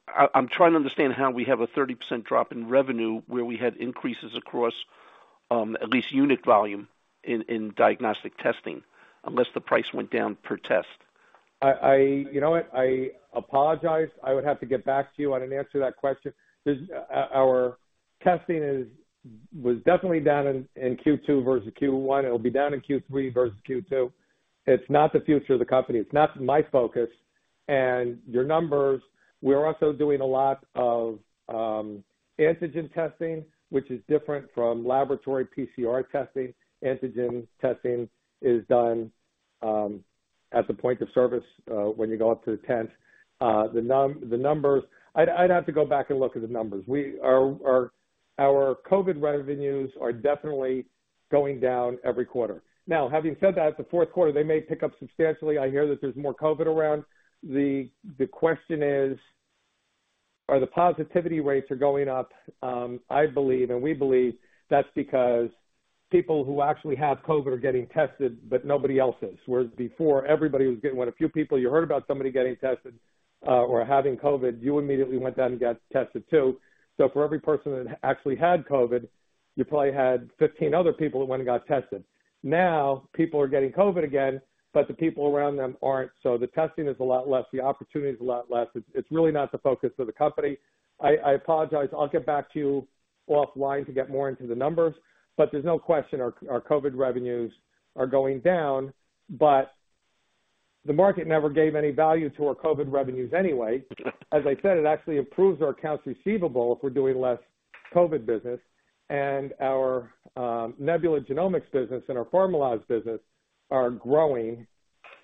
I, I'm trying to understand how we have a 30% drop in revenue where we had increases across, at least unit volume in, in diagnostic testing, unless the price went down per test. I, I... You know what? I apologize. I would have to get back to you. I didn't answer that question. Our testing was definitely down in Q2 versus Q1. It'll be down in Q3 versus Q2. It's not the future of the company. It's not my focus, and your numbers... We're also doing a lot of antigen testing, which is different from laboratory PCR testing. Antigen testing is done at the point of service when you go up to the tent. The numbers... I'd have to go back and look at the numbers. Our COVID revenues are definitely going down every quarter. Having said that, it's the Q4, they may pick up substantially. I hear that there's more COVID around. The question is, are the positivity rates going up? I believe and we believe that's because people who actually have COVID are getting tested, but nobody else is. Whereas before, everybody was getting. When a few people, you heard about somebody getting tested, or having COVID, you immediately went out and got tested, too. For every person that actually had COVID, you probably had 15 other people who went and got tested. Now, people are getting COVID again, but the people around them aren't. The testing is a lot less. The opportunity is a lot less. It's, it's really not the focus of the company. I, I apologize. I'll get back to you offline to get more into the numbers, but there's no question our COVID revenues are going down. The market never gave any value to our COVID revenues anyway. As I said, it actually improves our accounts receivable if we're doing less COVID business. Our Nebula Genomics business and our Pharmaloz business are growing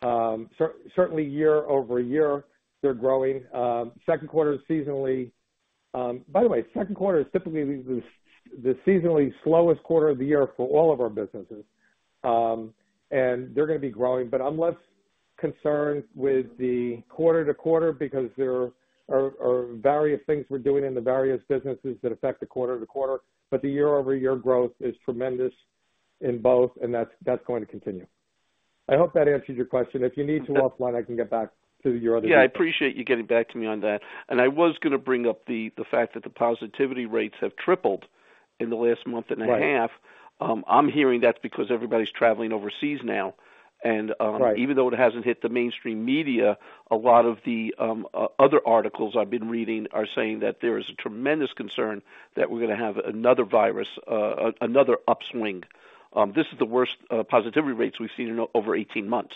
year-over-year, they're growing. Q2 is seasonally-- by the way, Q2 is typically the, the, the seasonally slowest quarter of the year for all of our businesses, and they're gonna be growing. But I'm less concerned with the quarter-to-quarter because there are, are various things we're doing in the various businesses that affect the quarter-to-quarter, but the year-over-year growth is tremendous in both, and that's, that's going to continue. I hope that answers your question. If you need to offline, I can get back to you on other things. Yeah, I appreciate you getting back to me on that. I was gonna bring up the, the fact that the positivity rates have tripled in the last month and a half. Right. I'm hearing that's because everybody's traveling overseas now. Right. Even though it hasn't hit the mainstream media, a lot of the other articles I've been reading are saying that there is a tremendous concern that we're gonna have another virus, another upswing. This is the worst positivity rates we've seen in over 18 months.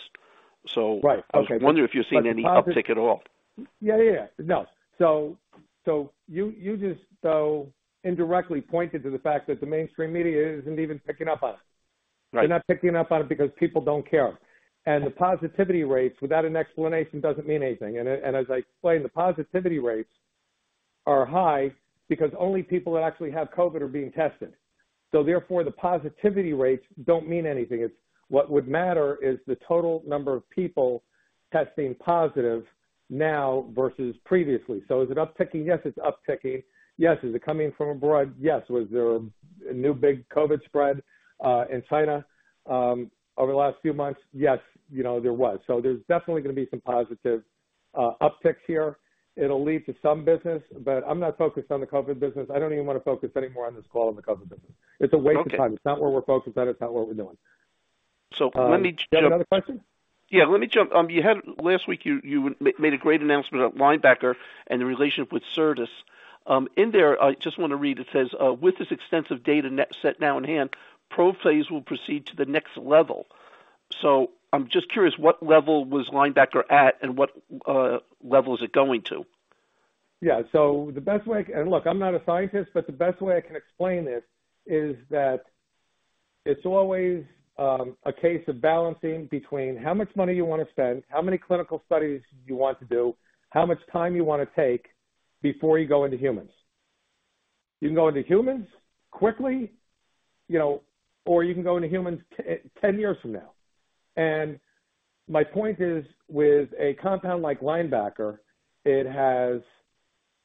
Right. Okay. I was wondering if you've seen any uptick at all? Yeah, yeah, yeah. No. You, you just, though, indirectly pointed to the fact that the mainstream media isn't even picking up on it. Right. They're not picking up on it because people don't care. The positivity rates, without an explanation, doesn't mean anything. As I explained, the positivity rates are high because only people that actually have COVID are being tested. Therefore, the positivity rates don't mean anything. It's what would matter is the total number of people testing positive now versus previously. Is it upticking? Yes, it's upticking. Yes. Is it coming from abroad? Yes. Was there a new big COVID spread in China over the last few months? Yes, you know, there was. There's definitely gonna be some positive upticks here. It'll lead to some business, but I'm not focused on the COVID business. I don't even wanna focus anymore on this call on the COVID business. It's a waste of time. Okay. It's not where we're focused at, it's not what we're doing. Let me. You have another question? Yeah, let me jump. last week, you made a great announcement about Linebacker and the relationship with Certus. in there, I just want to read, it says, "With this extensive data net set now in hand, ProPhase Labs will proceed to the next level." I'm just curious, what level was Linebacker at and what level is it going to? Yeah, so the best way... Look, I'm not a scientist, but the best way I can explain this is that it's always a case of balancing between how much money you wanna spend, how many clinical studies you want to do, how much time you wanna take before you go into humans. You can go into humans quickly, you know, or you can go into humans 10 years from now. My point is, with a compound like Linebacker, it has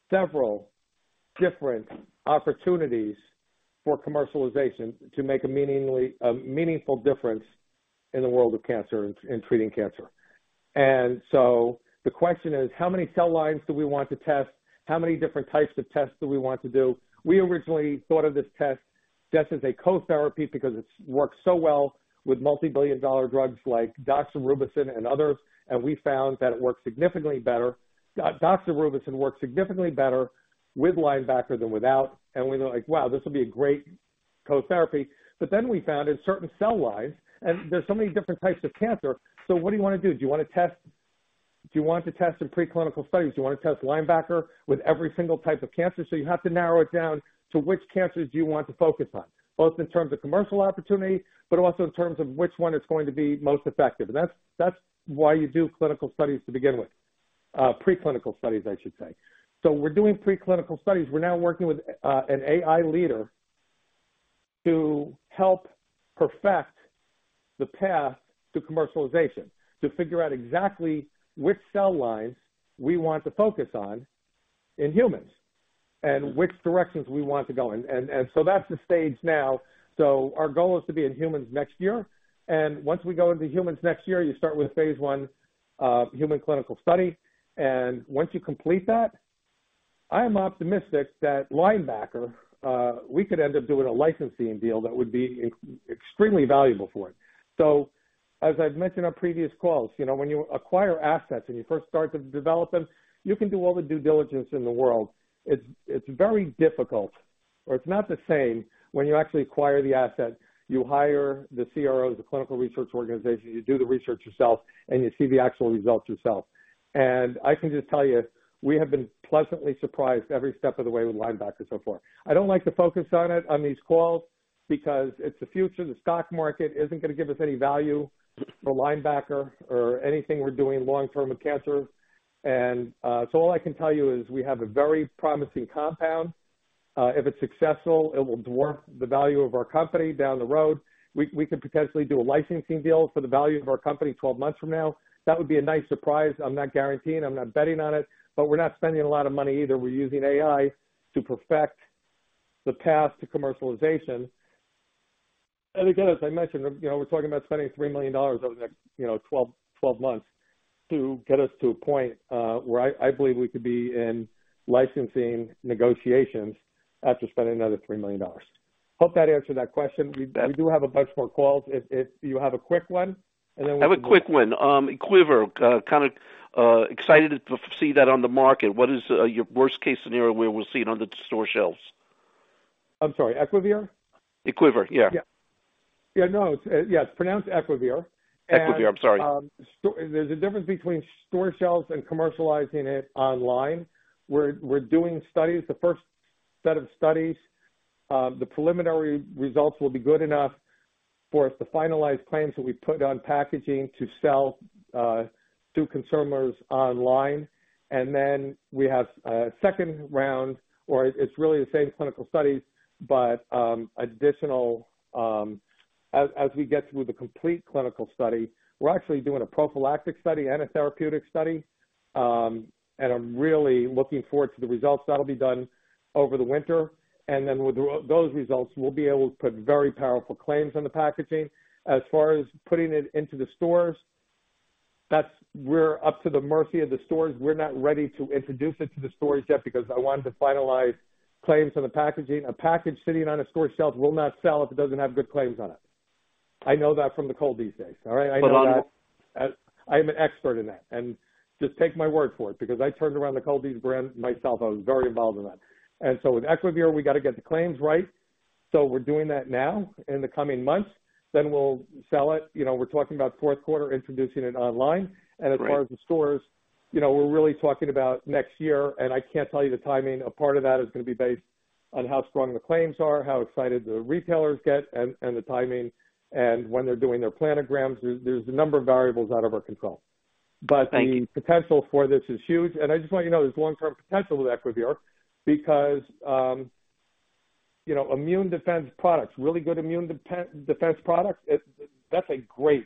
several different opportunities for commercialization to make a meaningful difference in the world of cancer, in treating cancer. So the question is: how many cell lines do we want to test? How many different types of tests do we want to do? We originally thought of this test just as a co-therapy because it works so well with multi-billion dollar drugs like doxorubicin and others. We found that it works significantly better. Doxorubicin works significantly better with Linebacker than without. We were like, "Wow, this would be a great co-therapy." Then we found in certain cell lines, and there's so many different types of cancer, so what do you want to do? Do you want to test in preclinical studies? Do you want to test Linebacker with every single type of cancer? You have to narrow it down to which cancers do you want to focus on, both in terms of commercial opportunity, but also in terms of which one is going to be most effective. That's, that's why you do clinical studies to begin with, preclinical studies, I should say. We're doing preclinical studies. We're now working with an AI leader to help perfect the path to commercialization, to figure out exactly which cell lines we want to focus on in humans, and which directions we want to go in. That's the stage now. Our goal is to be in humans next year, and once we go into humans next year, you start with Phase I human clinical study. Once you complete that, I am optimistic that Linebacker, we could end up doing a licensing deal that would be extremely valuable for it. As I've mentioned on previous calls, you know, when you acquire assets and you first start to develop them, you can do all the due diligence in the world. It's, it's very difficult, or it's not the same when you actually acquire the asset, you hire the CRO, the clinical research organization, you do the research yourself, and you see the actual results yourself. I can just tell you, we have been pleasantly surprised every step of the way with Linebacker so far. I don't like to focus on it on these calls because it's the future. The stock market isn't gonna give us any value for Linebacker or anything we're doing long term with cancer. So all I can tell you is we have a very promising compound. If it's successful, it will dwarf the value of our company down the road. We, we could potentially do a licensing deal for the value of our company 12 months from now. That would be a nice surprise. I'm not guaranteeing, I'm not betting on it, but we're not spending a lot of money either. We're using AI to perfect the path to commercialization. As I mentioned, you know, we're talking about spending $3 million over the next, you know, 12 months to get us to a point where I, I believe we could be in licensing negotiations after spending another $3 million. Hope that answered that question. Yeah. We, we do have a bunch more calls. If, if you have a quick one, and then. I have a quick one. Equivir, kind of, excited to see that on the market. What is your worst-case scenario where we'll see it under the store shelves? I'm sorry, Equivir? Equivir, yeah. Yeah. Yeah, no. It's, yeah, it's pronounced Equivir. Equivir, I'm sorry. There's a difference between store shelves and commercializing it online. We're, we're doing studies. The first set of studies, the preliminary results will be good enough for us to finalize claims that we put on packaging to sell to consumers online. We have a second round, or it, it's really the same clinical studies, but additional, as, as we get through the complete clinical study, we're actually doing a prophylactic study and a therapeutic study. I'm really looking forward to the results. That'll be done over the winter, and then with th-those results, we'll be able to put very powerful claims on the packaging. As far as putting it into the stores, that's-- we're up to the mercy of the stores. We're not ready to introduce it to the stores yet because I wanted to finalize claims on the packaging. A package sitting on a store shelf will not sell if it doesn't have good claims on it. I know that from the cold these days. All right? I know that. But, um- I'm an expert in that. Just take my word for it, because I turned around the Cold-Ease brand myself. I was very involved in that. With Equivir, we got to get the claims right. We're doing that now in the coming months. We'll sell it. You know, we're talking about Q4, introducing it online. Great. As far as the stores, you know, we're really talking about next year, and I can't tell you the timing. A part of that is gonna be based on how strong the claims are, how excited the retailers get and, and the timing, and when they're doing their planograms. There's, there's a number of variables out of our control. Thank you. The potential for this is huge. I just want you to know, there's long-term potential with Equivir because, you know, immune defense products, really good immune defense products. That's a great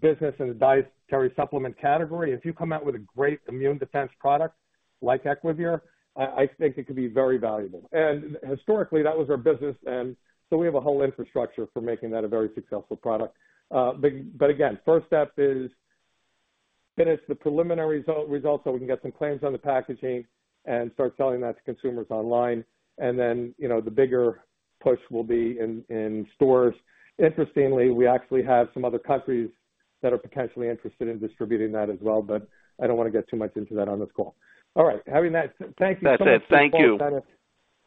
business in the dietary supplement category. If you come out with a great immune defense product like Equivir, I, I think it could be very valuable. Historically, that was our business, and so we have a whole infrastructure for making that a very successful product. But again, first step is finish the preliminary results, so we can get some claims on the packaging and start selling that to consumers online. Then, you know, the bigger push will be in stores. Interestingly, we actually have some other countries that are potentially interested in distributing that as well, but I don't wanna get too much into that on this call. All right. Having that, thank you so much- That's it. Thank you.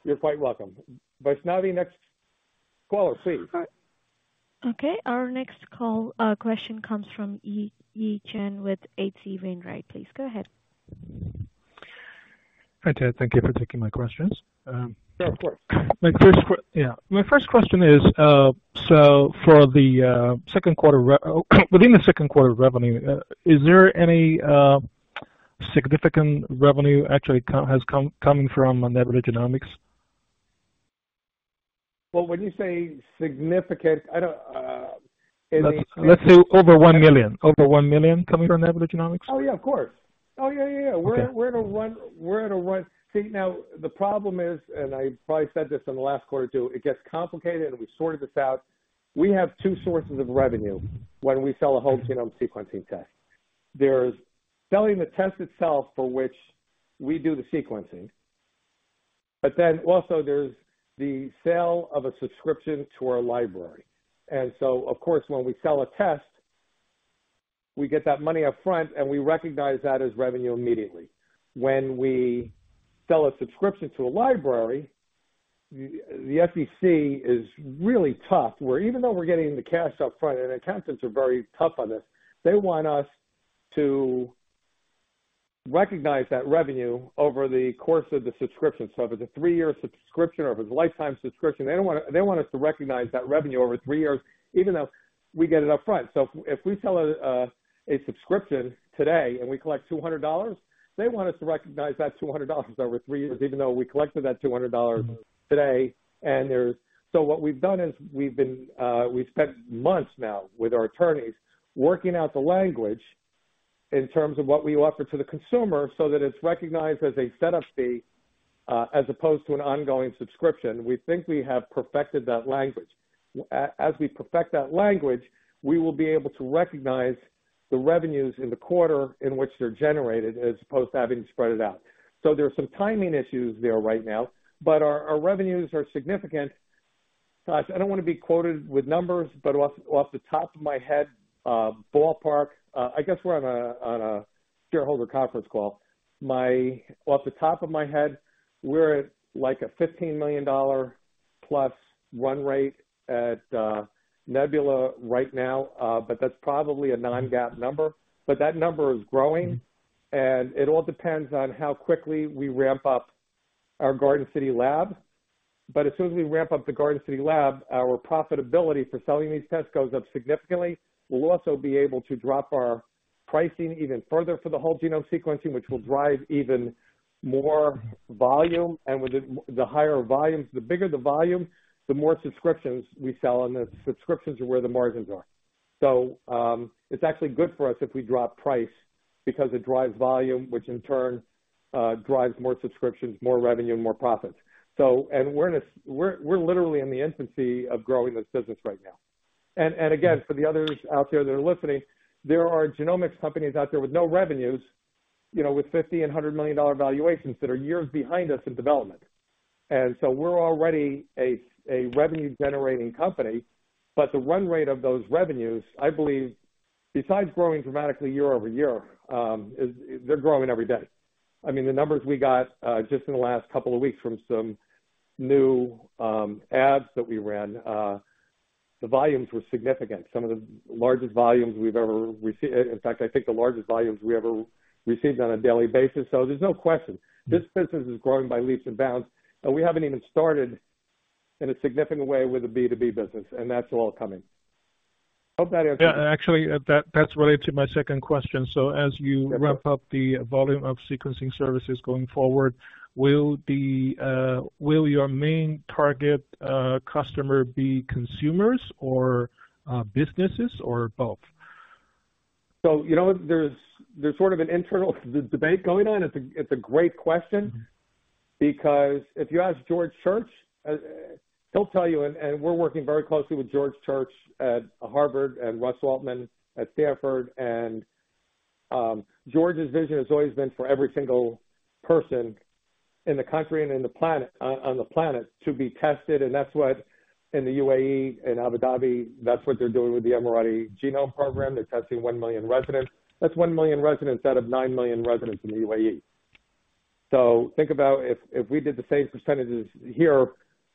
You're quite welcome. Vaishnavi, next caller, please. Okay. Our next call, question comes from Yi Chen with H.C. Wainwright. Please, go ahead. Hi, Ted. Thank you for taking my questions. Yeah, of course. Yeah. My first question is for the Q2 within the Q2 revenue, is there any significant revenue actually has come, coming from Nebula Genomics? Well, when you say significant, I don't, any- Let's say over 1 million. Over 1 million coming from Nebula Genomics? Oh, yeah, of course. Oh, yeah, yeah, yeah. Okay. We're in a run, we're in a run... See, now the problem is, I probably said this in the last quarter, too, it gets complicated, and we've sorted this out. We have two sources of revenue when we sell a whole-genome sequencing test. There's selling the test itself, for which we do the sequencing, but then also there's the sale of a subscription to our library. Of course, when we sell a test, we get that money upfront, and we recognize that as revenue immediately. When we sell a subscription to a library, the FTC is really tough, where even though we're getting the cash upfront, and the accountants are very tough on this, they want us to recognize that revenue over the course of the subscription. If it's a 3-year subscription or if it's a lifetime subscription, they don't want they want us to recognize that revenue over 3 years, even though we get it upfront. If we sell a subscription today and we collect $200, they want us to recognize that $200 over 3 years, even though we collected that $200 today. What we've done is we've been we've spent months now with our attorneys, working out the language in terms of what we offer to the consumer so that it's recognized as a setup fee as opposed to an ongoing subscription. We think we have perfected that language. As we perfect that language, we will be able to recognize the revenues in the quarter in which they're generated, as opposed to having to spread it out. There are some timing issues there right now, but our revenues are significant. I don't want to be quoted with numbers, but off, off the top of my head, ballpark, I guess we're on a, on a shareholder conference call. Off the top of my head, we're at like a $15 million plus run rate at Nebula right now. That's probably a non-GAAP number. That number is growing, and it all depends on how quickly we ramp up our Garden City lab. As soon as we ramp up the Garden City lab, our profitability for selling these tests goes up significantly. We'll also be able to drop our pricing even further for the whole-genome sequencing, which will drive even more volume. With it, the higher volumes, the bigger the volume, the more subscriptions we sell, and the subscriptions are where the margins are. It's actually good for us if we drop price because it drives volume, which in turn, drives more subscriptions, more revenue, and more profits. We're in a, we're, we're literally in the infancy of growing this business right now. Again, for the others out there that are listening, there are genomics companies out there with no revenues, you know, with $50 million and $100 million valuations that are years behind us in development. We're already a, a revenue-generating company, but the run rate of those revenues, I believe... besides growing dramatically year-over-year, they're growing every day. I mean, the numbers we got just in the last couple of weeks from some new ads that we ran, the volumes were significant. Some of the largest volumes we've ever received. In fact, I think the largest volumes we ever received on a daily basis. There's no question, this business is growing by leaps and bounds, and we haven't even started in a significant way with the B2B business, and that's all coming. Hope that answers. Yeah, actually, that, that's related to my second question. Yeah -wrap up the volume of sequencing services going forward, will the, will your main target customer be consumers or businesses, or both? You know what? There's, there's sort of an internal debate going on. It's a, it's a great question- Mm-hmm. Because if you ask George Church, he'll tell you, and we're working very closely with George Church at Harvard and Russ Altman at Stanford. George's vision has always been for every single person in the country and in the planet, on the planet to be tested. That's what in the UAE and Abu Dhabi, that's what they're doing with the Emirati Genome Programme. They're testing 1 million residents. That's 1 million residents out of 9 million residents in the UAE. Think about if we did the same percentages here,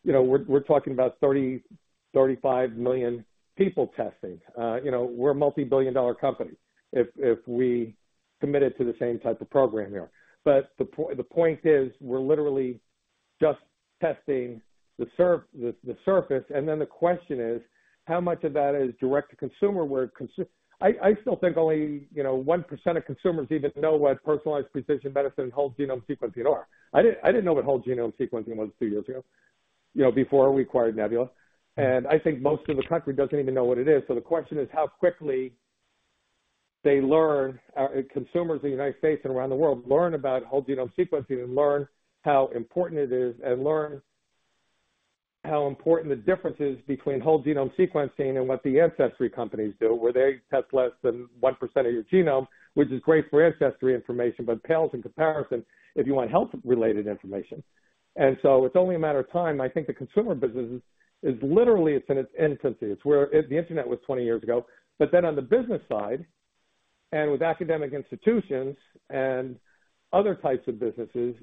you know, we're talking about 30-35 million people testing. you know, we're a multi-billion dollar company if we committed to the same type of program here. The point is, we're literally just testing the surface. Then the question is, how much of that is direct-to-consumer, where I still think only, you know, 1% of consumers even know what personalized precision medicine and whole genome sequencing are. I didn't, I didn't know what whole genome sequencing was 2 years ago, you know, before we acquired Nebula. I think most of the country doesn't even know what it is. The question is how quickly they learn, consumers in the United States and around the world learn about whole genome sequencing and learn how important it is, and learn how important the difference is between whole genome sequencing and what the ancestry companies do, where they test less than 1% of your genome, which is great for ancestry information, but pales in comparison if you want health-related information. It's only a matter of time. I think the consumer business is literally, it's in its infancy. It's where the internet was 20 years ago. Then on the business side, and with academic institutions and other types of businesses,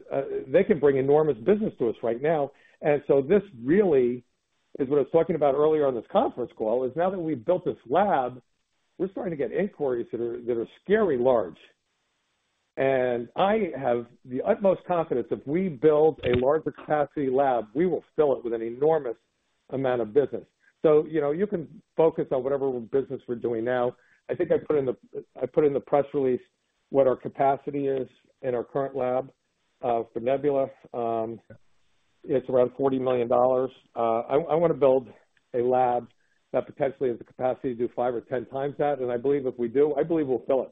they can bring enormous business to us right now. So this really is what I was talking about earlier on this conference call, is now that we've built this lab, we're starting to get inquiries that are, that are scary large. I have the utmost confidence if we build a larger capacity lab, we will fill it with an enormous amount of business. You know, you can focus on whatever business we're doing now. I think I put in the, I put in the press release what our capacity is in our current lab, for Nebula. It's around $40 million. I, I want to build a lab that potentially has the capacity to do 5 or 10 times that. I believe if we do, I believe we'll fill it.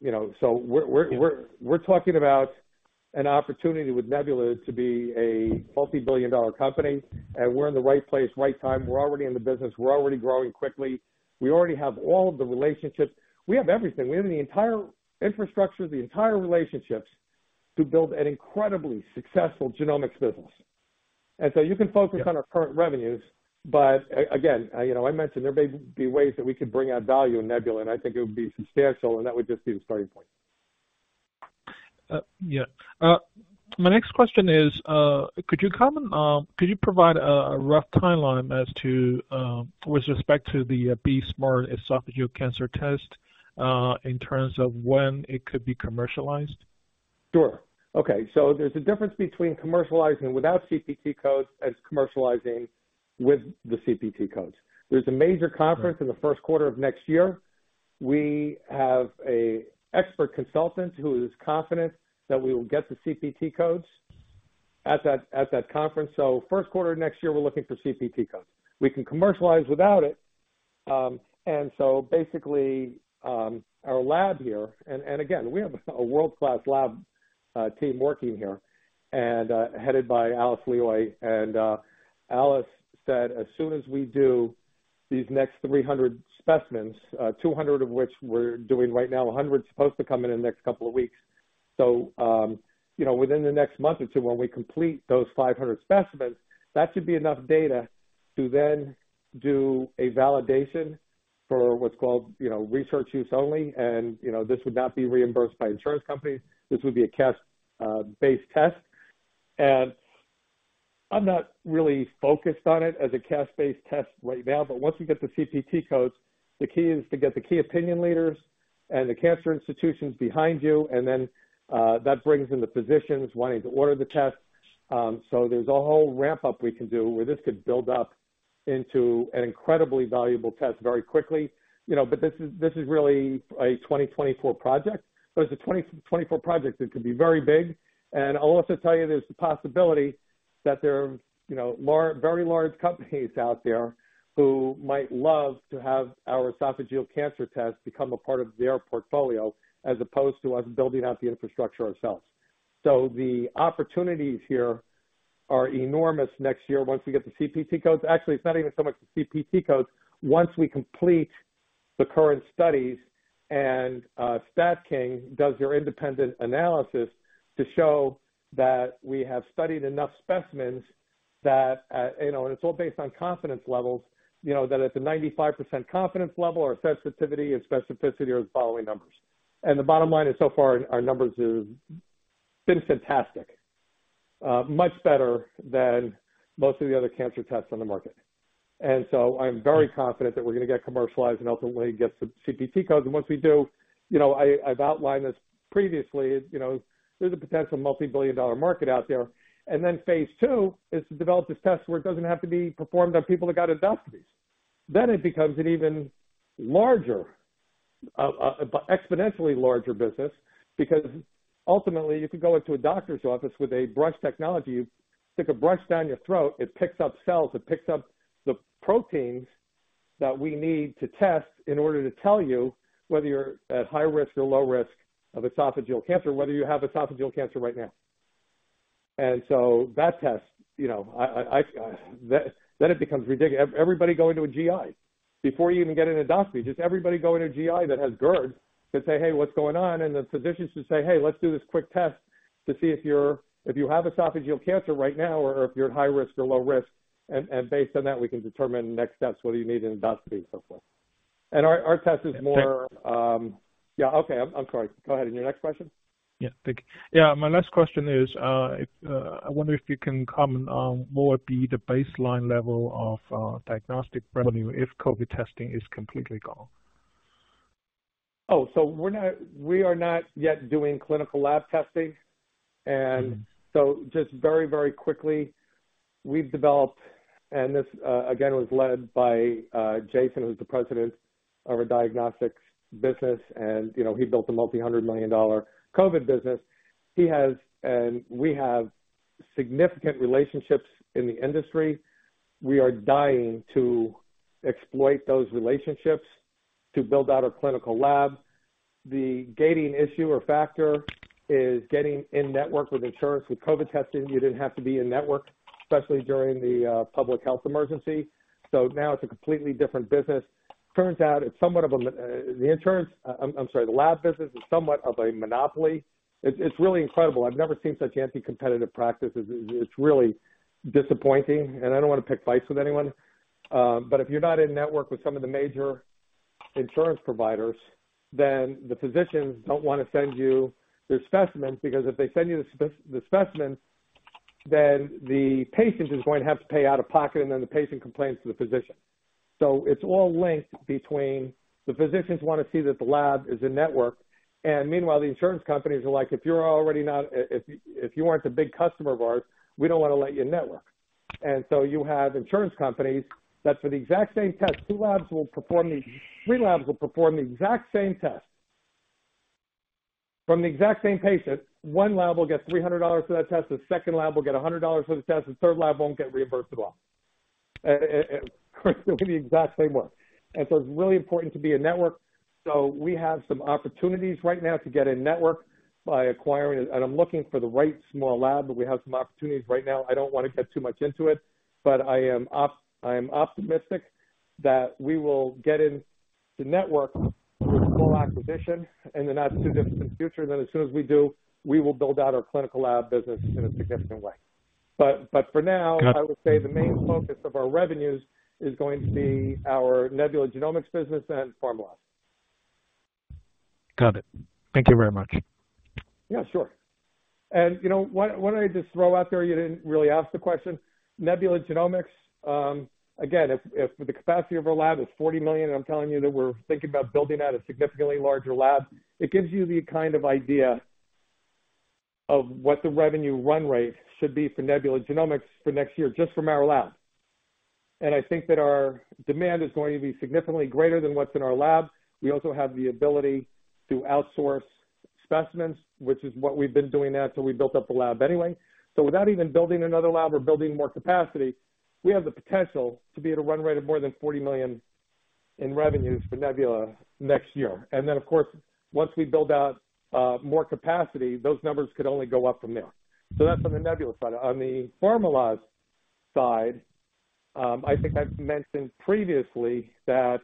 You know, so we're, we're, we're talking about an opportunity with Nebula to be a $multi-billion company, and we're in the right place, right time. We're already in the business. We're already growing quickly. We already have all of the relationships. We have everything. We have the entire infrastructure, the entire relationships to build an incredibly successful genomics business. So you can focus on our current revenues, but again, you know, I mentioned there may be ways that we could bring out value in Nebula, and I think it would be substantial, and that would just be the starting point. Yeah. My next question is, could you comment, could you provide a rough timeline as to, with respect to the BE-Smart esophageal cancer test, in terms of when it could be commercialized? Sure. Okay, there's a difference between commercializing without CPT codes as commercializing with the CPT codes. There's a major conference in the Q1 of next year. We have a expert consultant who is confident that we will get the CPT codes at that, at that conference. Q1 of next year, we're looking for CPT codes. We can commercialize without it. Basically, our lab here. Again, we have a world-class lab team working here and headed by Alice Lioi. Alice said, as soon as we do these next 300 specimens, 200 of which we're doing right now, 100 supposed to come in the next couple of weeks. You know, within the next month or two, when we complete those 500 specimens, that should be enough data to then do a validation for what's called, you know, research use only. You know, this would not be reimbursed by insurance companies. This would be a cash-based test. I'm not really focused on it as a cash-based test right now, but once you get the CPT codes, the key is to get the key opinion leaders and the cancer institutions behind you, and then that brings in the physicians wanting to order the test. There's a whole ramp-up we can do, where this could build up into an incredibly valuable test very quickly. You know, this is, this is really a 2024 project, but it's a 2024 project that could be very big. I'll also tell you, there's a possibility that there are, you know, large, very large companies out there who might love to have our esophageal cancer test become a part of their portfolio, as opposed to us building out the infrastructure ourselves. The opportunities here are enormous. Next year, once we get the CPT codes. Actually, it's not even so much the CPT codes. Once we complete the current studies and STATKING does their independent analysis to show that we have studied enough specimens. That, you know, and it's all based on confidence levels, you know, that it's a 95% confidence level or sensitivity and specificity are the following numbers. The bottom line is, so far, our numbers have been fantastic, much better than most of the other cancer tests on the market. I'm very confident that we're gonna get commercialized and ultimately get some CPT codes. Once we do, you know, I, I've outlined this previously, you know, there's a potential multi-billion dollar market out there. Phase II is to develop this test where it doesn't have to be performed on people that got endoscopies. It becomes an even larger, exponentially larger business, because ultimately, you could go into a doctor's office with a brush technology, you stick a brush down your throat, it picks up cells, it picks up the proteins that we need to test in order to tell you whether you're at high risk or low risk of esophageal cancer, whether you have esophageal cancer right now. That test, you know, I, I, I then it becomes ridic... Everybody go into a GI before you even get an endoscopy, just everybody go into GI that has GERD and say, "Hey, what's going on?" The physicians should say, "Hey, let's do this quick test to see if you're, if you have esophageal cancer right now or if you're at high risk or low risk, and, and based on that, we can determine next steps, whether you need an endoscopy or so forth." Our, our test is more- Thank- Yeah, okay, I'm sorry. Go ahead in your next question. Yeah, thank you. Yeah, my last question is, if, I wonder if you can comment on what would be the baseline level of diagnostic revenue if COVID testing is completely gone? Oh, we are not yet doing clinical lab testing. Mm-hmm. Just very, very quickly, we've developed, and this, again, was led by Jason, who's the president of our diagnostics business, and, you know, he built a multi-hundred million dollar COVID business. He has, and we have significant relationships in the industry. We are dying to exploit those relationships to build out our clinical lab. The gating issue or factor is getting in-network with insurance. With COVID testing, you didn't have to be in-network, especially during the public health emergency. Now it's a completely different business. Turns out it's somewhat of a, the insurance... I'm, I'm sorry, the lab business is somewhat of a monopoly. It's, it's really incredible. I've never seen such anti-competitive practices. It's, it's really disappointing, and I don't want to pick fights with anyone. If you're not in-network with some of the major insurance providers, then the physicians don't want to send you their specimens, because if they send you the specimen, then the patient is going to have to pay out of pocket, and then the patient complains to the physician. It's all linked between the physicians want to see that the lab is in-network, and meanwhile, the insurance companies are like, "If you aren't a big customer of ours, we don't want to let you network." You have insurance companies that for the exact same test, two labs will perform three labs will perform the exact same test from the exact same patient. One lab will get $300 for that test, the second lab will get $100 for the test, the third lab won't get reimbursed at all. doing the exact same work. It's really important to be in-network. We have some opportunities right now to get in-network by acquiring... I'm looking for the right small lab, we have some opportunities right now. I don't want to get too much into it, I am optimistic that we will get in the network through small acquisition in the not-too-distant future. As soon as we do, we will build out our clinical lab business in a significant way. for now- Got it. -I would say the main focus of our revenues is going to be our Nebula Genomics business and Pharmaloz. Got it. Thank you very much. Yeah, sure. you know, what, what I just throw out there, you didn't really ask the question. Nebula Genomics, again, if, if the capacity of our lab is $40 million, I'm telling you that we're thinking about building out a significantly larger lab, it gives you the kind of idea of what the revenue run rate should be for Nebula Genomics for next year, just from our lab. I think that our demand is going to be significantly greater than what's in our lab. We also have the ability to outsource specimens, which is what we've been doing now till we built up the lab anyway. Without even building another lab or building more capacity, we have the potential to be at a run rate of more than $40 million in revenues for Nebula next year. Then, of course, once we build out more capacity, those numbers could only go up from there. That's on the Nebula side. On the Pharmaloz side, I think I've mentioned previously that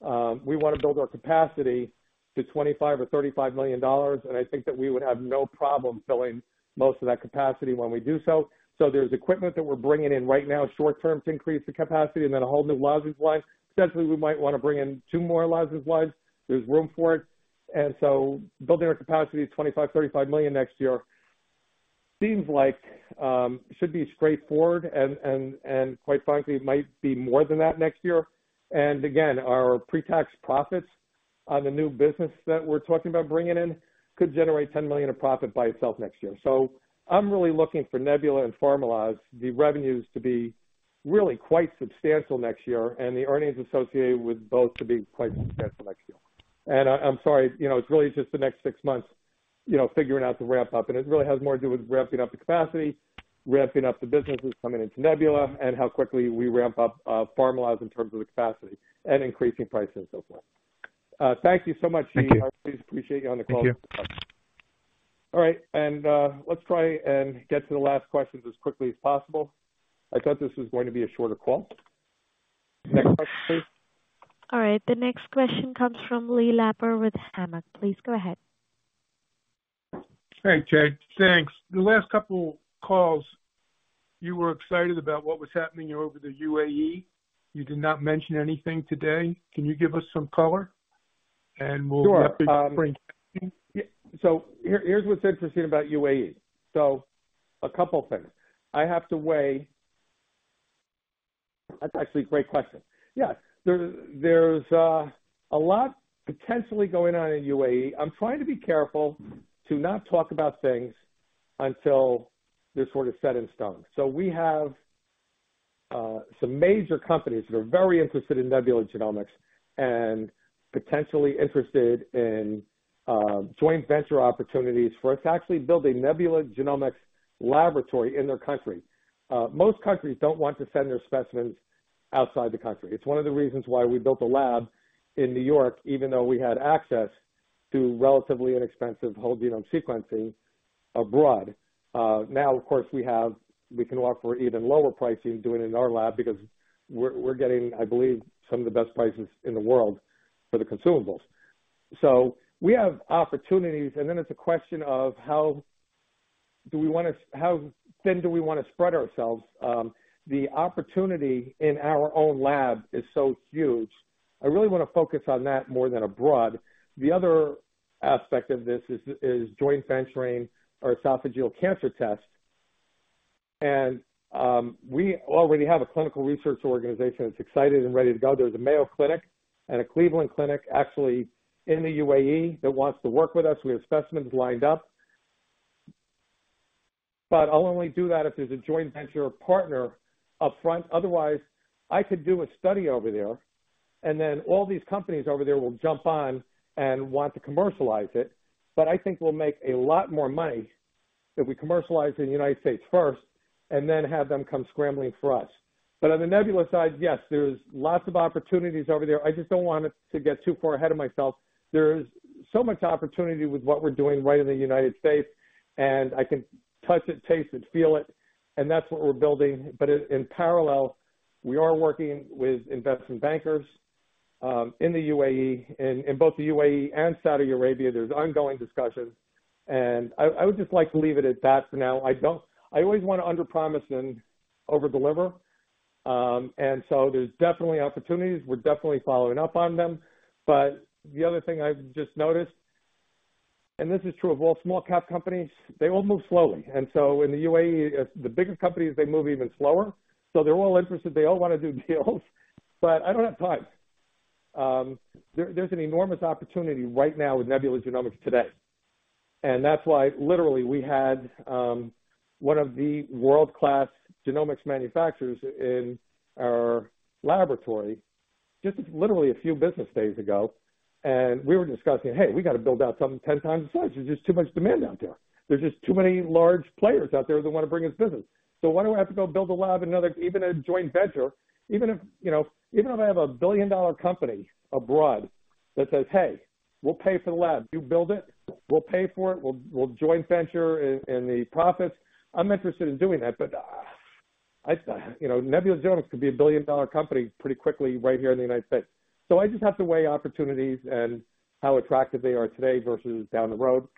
we want to build our capacity to $25 million-$35 million, and I think that we would have no problem filling most of that capacity when we do so. There's equipment that we're bringing in right now, short term, to increase the capacity, and then a whole new Liza's Life. Essentially, we might want to bring in 2 more Liza's Life. There's room for it. Building our capacity to $25 million-$35 million next year seems like should be straightforward and quite frankly, might be more than that next year. Again, our pre-tax profits on the new business that we're talking about bringing in could generate $10 million of profit by itself next year. I'm really looking for Nebula and Pharmaloz, the revenues to be really quite substantial next year, and the earnings associated with both to be quite substantial next year. I, I'm sorry, you know, it's really just the next 6 months, you know, figuring out the ramp-up, and it really has more to do with ramping up the capacity, ramping up the businesses coming into Nebula, and how quickly we ramp up Pharmaloz in terms of the capacity and increasing prices and so forth. Thank you so much. Thank you. I appreciate you on the call. Thank you. All right, let's try and get to the last questions as quickly as possible. I thought this was going to be a shorter call. Next question, please. All right, the next question comes from Lee Lapper with Hammock. Please go ahead. Hey, Jay, thanks. The last two calls, you were excited about what was happening over the UAE. You did not mention anything today. Can you give us some color? Sure. Here, here's what's interesting about UAE. A couple things. That's actually a great question. Yeah, there, there's a lot potentially going on in UAE. I'm trying to be careful to not talk about things until they're sort of set in stone. We have some major companies that are very interested in Nebula Genomics and potentially interested in joint venture opportunities for us to actually build a Nebula Genomics laboratory in their country. Most countries don't want to send their specimens outside the country. It's one of the reasons why we built a lab in New York, even though we had access to relatively inexpensive whole-genome sequencing abroad. Now, of course, we have we can offer even lower pricing doing it in our lab because we're, we're getting, I believe, some of the best prices in the world for the consumables. We have opportunities, and then it's a question of how do we wanna how thin do we wanna spread ourselves? The opportunity in our own lab is so huge. I really wanna focus on that more than abroad. The other aspect of this is, is joint venturing our esophageal cancer test. We already have a clinical research organization that's excited and ready to go. There's a Mayo Clinic and a Cleveland Clinic actually in the UAE that wants to work with us. We have specimens lined up. I'll only do that if there's a joint venture or partner upfront. Otherwise, I could do a study over there, and then all these companies over there will jump on and want to commercialize it. I think we'll make a lot more money if we commercialize in the United States first and then have them come scrambling for us. On the Nebula side, yes, there's lots of opportunities over there. I just don't want to get too far ahead of myself. There's so much opportunity with what we're doing right in the United States, and I can touch it, taste it, feel it, and that's what we're building. In parallel, we are working with investment bankers in the UAE. In both the UAE and Saudi Arabia, there's ongoing discussions, and I, I would just like to leave it at that for now. I always wanna underpromise and overdeliver. There's definitely opportunities. We're definitely following up on them. The other thing I've just noticed, and this is true of all small cap companies, they all move slowly. In the UAE, the bigger companies, they move even slower. They're all interested, they all wanna do deals, I don't have time. There's an enormous opportunity right now with Nebula Genomics today, and that's why literally we had one of the world-class genomics manufacturers in our laboratory just literally a few business days ago, and we were discussing, "Hey, we got to build out something 10 times the size. There's just too much demand out there. There's just too many large players out there that wanna bring us business." Why do I have to go build a lab, another, even a joint venture, even if, you know, even if I have a billion-dollar company abroad that says, "Hey, we'll pay for the lab. You build it, we'll pay for it. We'll, we'll joint venture in, in the profits," I'm interested in doing that, but, I, you know, Nebula Genomics could be a billion-dollar company pretty quickly right here in the United States. I just have to weigh opportunities and how attractive they are today versus down the road.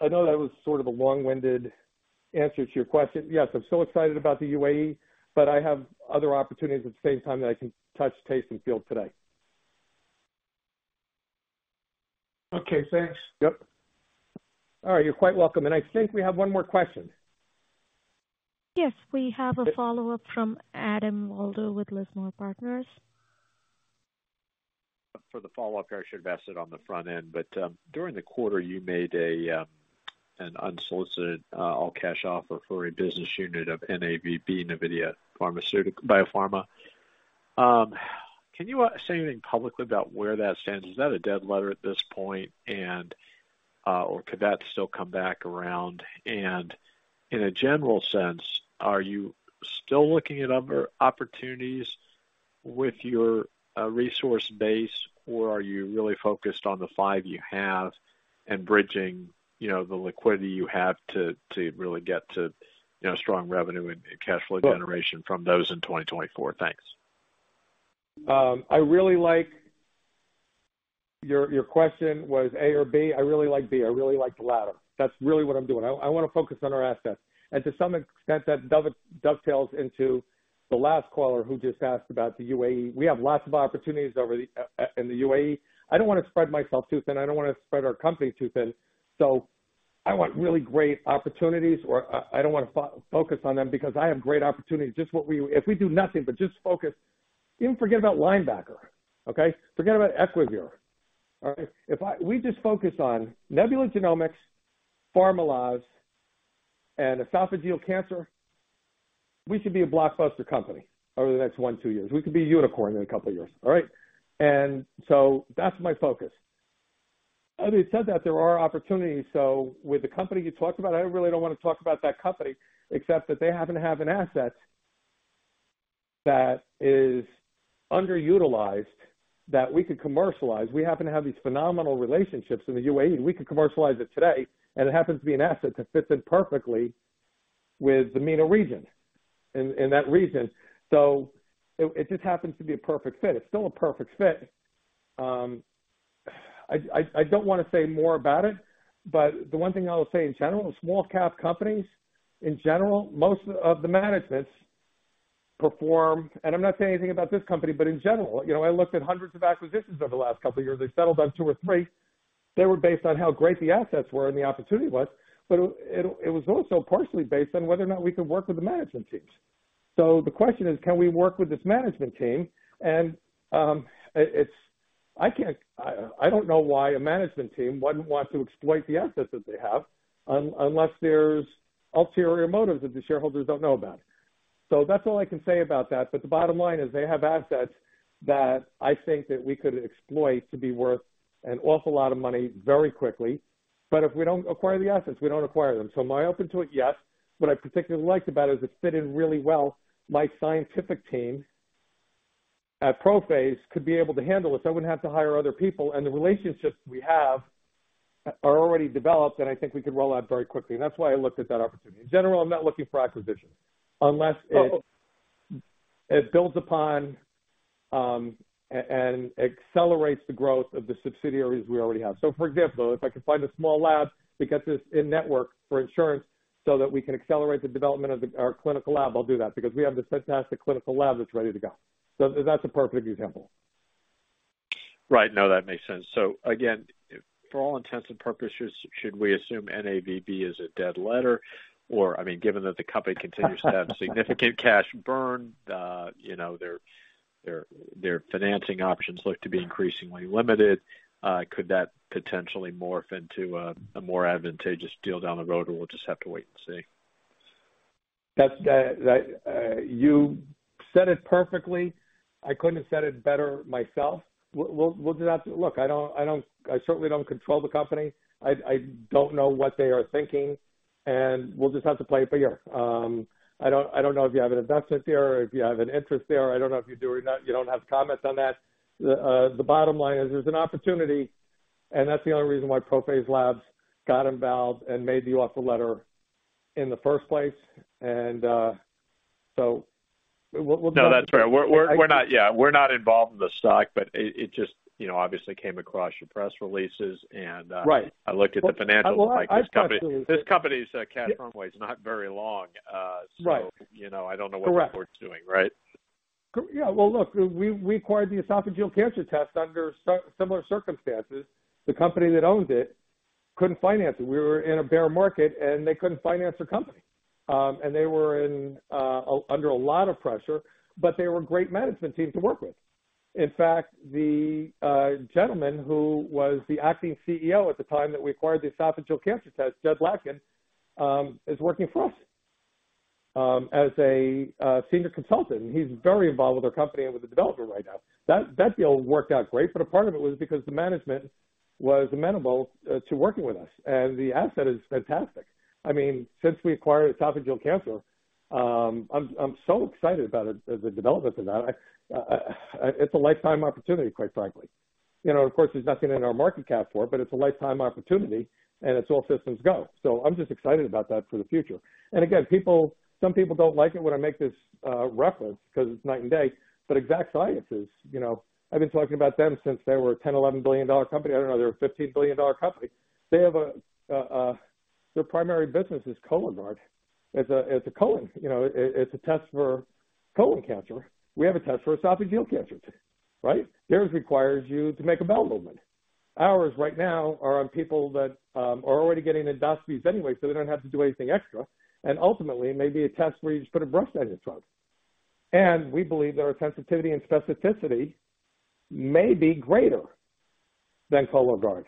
I know that was sort of a long-winded answer to your question. Yes, I'm so excited about the UAE, but I have other opportunities at the same time that I can touch, taste, and feel today. Okay, thanks. Yep. All right, you're quite welcome. I think we have one more question. Yes, we have a follow-up from Adam Waldo with Lismore Partners. For the follow-up, I should have asked it on the front end, but, during the quarter, you made an unsolicited, all-cash offer for a business unit of NAVB, Navidea Biopharmaceuticals. Can you say anything publicly about where that stands? Is that a dead letter at this point, and, or could that still come back around? In a general sense, are you still looking at other opportunities with your resource base, or are you really focused on the five you have and bridging, you know, the liquidity you have to, to really get to, you know, strong revenue and cash flow generation from those in 2024? Thanks. I really like. Your question was A or B? I really like B. I really like the latter. That's really what I'm doing. I wanna focus on our assets, and to some extent, that dovetails into the last caller who just asked about the UAE. We have lots of opportunities over the in the UAE. I don't wanna spread myself too thin. I don't wanna spread our company too thin, so I want really great opportunities, or I don't wanna focus on them because I have great opportunities. Just what we If we do nothing but just focus, even forget about Linebacker, okay? Forget about Equivir, all right? If we just focus on Nebula Genomics, Pharmaloz, and esophageal cancer, we should be a blockbuster company over the next 1 to 2 years. We could be a unicorn in a couple of years, all right? That's my focus. Having said that, there are opportunities. With the company you talked about, I really don't wanna talk about that company, except that they happen to have an asset that is underutilized, that we could commercialize. We happen to have these phenomenal relationships in the UAE. We could commercialize it today, and it happens to be an asset that fits in perfectly with the MENA region, in that region. It, it just happens to be a perfect fit. It's still a perfect fit. I don't wanna say more about it, but the one thing I will say in general, small cap companies, in general, most of the managements perform... I'm not saying anything about this company, but in general, you know, I looked at hundreds of acquisitions over the last 2 years. I settled on 2 or 3. They were based on how great the assets were and the opportunity was, but it was also partially based on whether or not we could work with the management teams. The question is, can we work with this management team? It's I can't, I don't know why a management team wouldn't want to exploit the assets that they have, unless there's ulterior motives that the shareholders don't know about. That's all I can say about that. The bottom line is, they have assets that I think that we could exploit to be worth an awful lot of money very quickly. If we don't acquire the assets, we don't acquire them. Am I open to it? Yes. What I particularly liked about it is it fit in really well. My scientific team at ProPhase could be able to handle it, so I wouldn't have to hire other people, and the relationships we have are already developed, and I think we could roll out very quickly. That's why I looked at that opportunity. In general, I'm not looking for acquisitions unless it, it builds upon and accelerates the growth of the subsidiaries we already have. For example, if I can find a small lab that gets us in network for insurance so that we can accelerate the development of the, our clinical lab, I'll do that because we have this fantastic clinical lab that's ready to go. That's a perfect example. Right. No, that makes sense. Again, for all intents and purposes, should we assume NAVB is a dead letter, or, I mean, given that the company continues to have significant cash burn, you know, their, their, their financing options look to be increasingly limited, could that potentially morph into a, a more advantageous deal down the road, or we'll just have to wait and see? That's the. You said it perfectly. I couldn't have said it better myself. We'll just have to. Look, I don't, I don't, I certainly don't control the company. I, I don't know what they are thinking, and we'll just have to play it by ear. I don't, I don't know if you have an investment there or if you have an interest there. I don't know if you do or not. You don't have comments on that. The, the bottom line is there's an opportunity, and that's the only reason why ProPhase Labs got involved and made you off a letter in the first place. We'll. No, that's fair. We're, we're, we're not, yeah, we're not involved in the stock, but it, it just, you know, obviously came across your press releases, and. Right. I looked at the financials. Well, I absolutely- This company, this company's, cat runway is not very long. Right. you know, I don't know. Correct we're doing, right? Yeah. Well, look, we, we acquired the esophageal cancer test under similar circumstances. The company that owned it couldn't finance it. We were in a bear market, and they couldn't finance their company. They were in under a lot of pressure, but they were a great management team to work with. In fact, the gentleman who was the acting CEO at the time that we acquired the esophageal cancer test, Jed Latkin, is working for us as a senior consultant, and he's very involved with our company and with the development right now. That, that deal worked out great, a part of it was because the management was amenable to working with us, and the asset is fantastic. I mean, since we acquired esophageal cancer, I'm so excited about it, the developments in that. I, it's a lifetime opportunity, quite frankly. You know, of course, there's nothing in our market cap for it, but it's a lifetime opportunity, and it's all systems go. I'm just excited about that for the future. Again, people- some people don't like it when I make this reference because it's night and day, but Exact Sciences, you know, I've been talking about them since they were a $10 billion-$11 billion company. I don't know, they're a $15 billion company. They have a, a, a, their primary business is Cologuard. It's a, it's a colon, you know, it, it's a test for colon cancer. We have a test for esophageal cancer, right? Theirs requires you to make a bowel movement. Ours, right now, are on people that are already getting endoscopies anyway, so they don't have to do anything extra. Ultimately, it may be a test where you just put a brush down your throat. We believe that our sensitivity and specificity may be greater than Cologuard.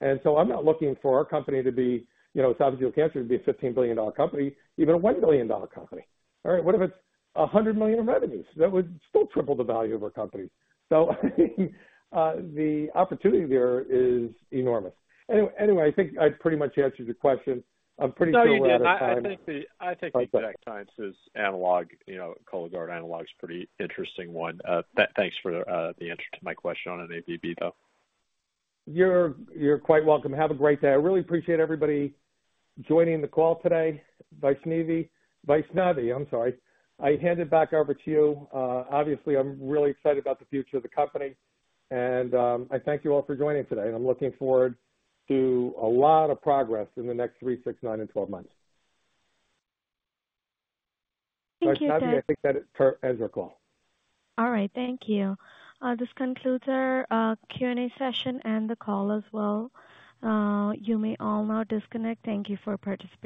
I'm not looking for our company to be, you know, esophageal cancer, to be a $15 billion company, even a $1 billion company. All right, what if it's $100 million in revenues? That would still triple the value of our company. The opportunity there is enormous. Anyway, I think I pretty much answered your question. I'm pretty sure we're out of time. No, you did. Okay. I think the Exact Sciences analog, you know, Cologuard analog is a pretty interesting one. Thanks for the answer to my question on NAVB, though. You're, you're quite welcome. Have a great day. I really appreciate everybody joining the call today. Vaishnavi, Vaishnavi, I'm sorry. I hand it back over to you. Obviously, I'm really excited about the future of the company, and I thank you all for joining today. I'm looking forward to a lot of progress in the next three, six, nine, and 12 months. Thank you, Ken. Vaishnavi, I think that ends our call. All right. Thank you. This concludes our Q&A session and the call as well. You may all now disconnect. Thank you for participating.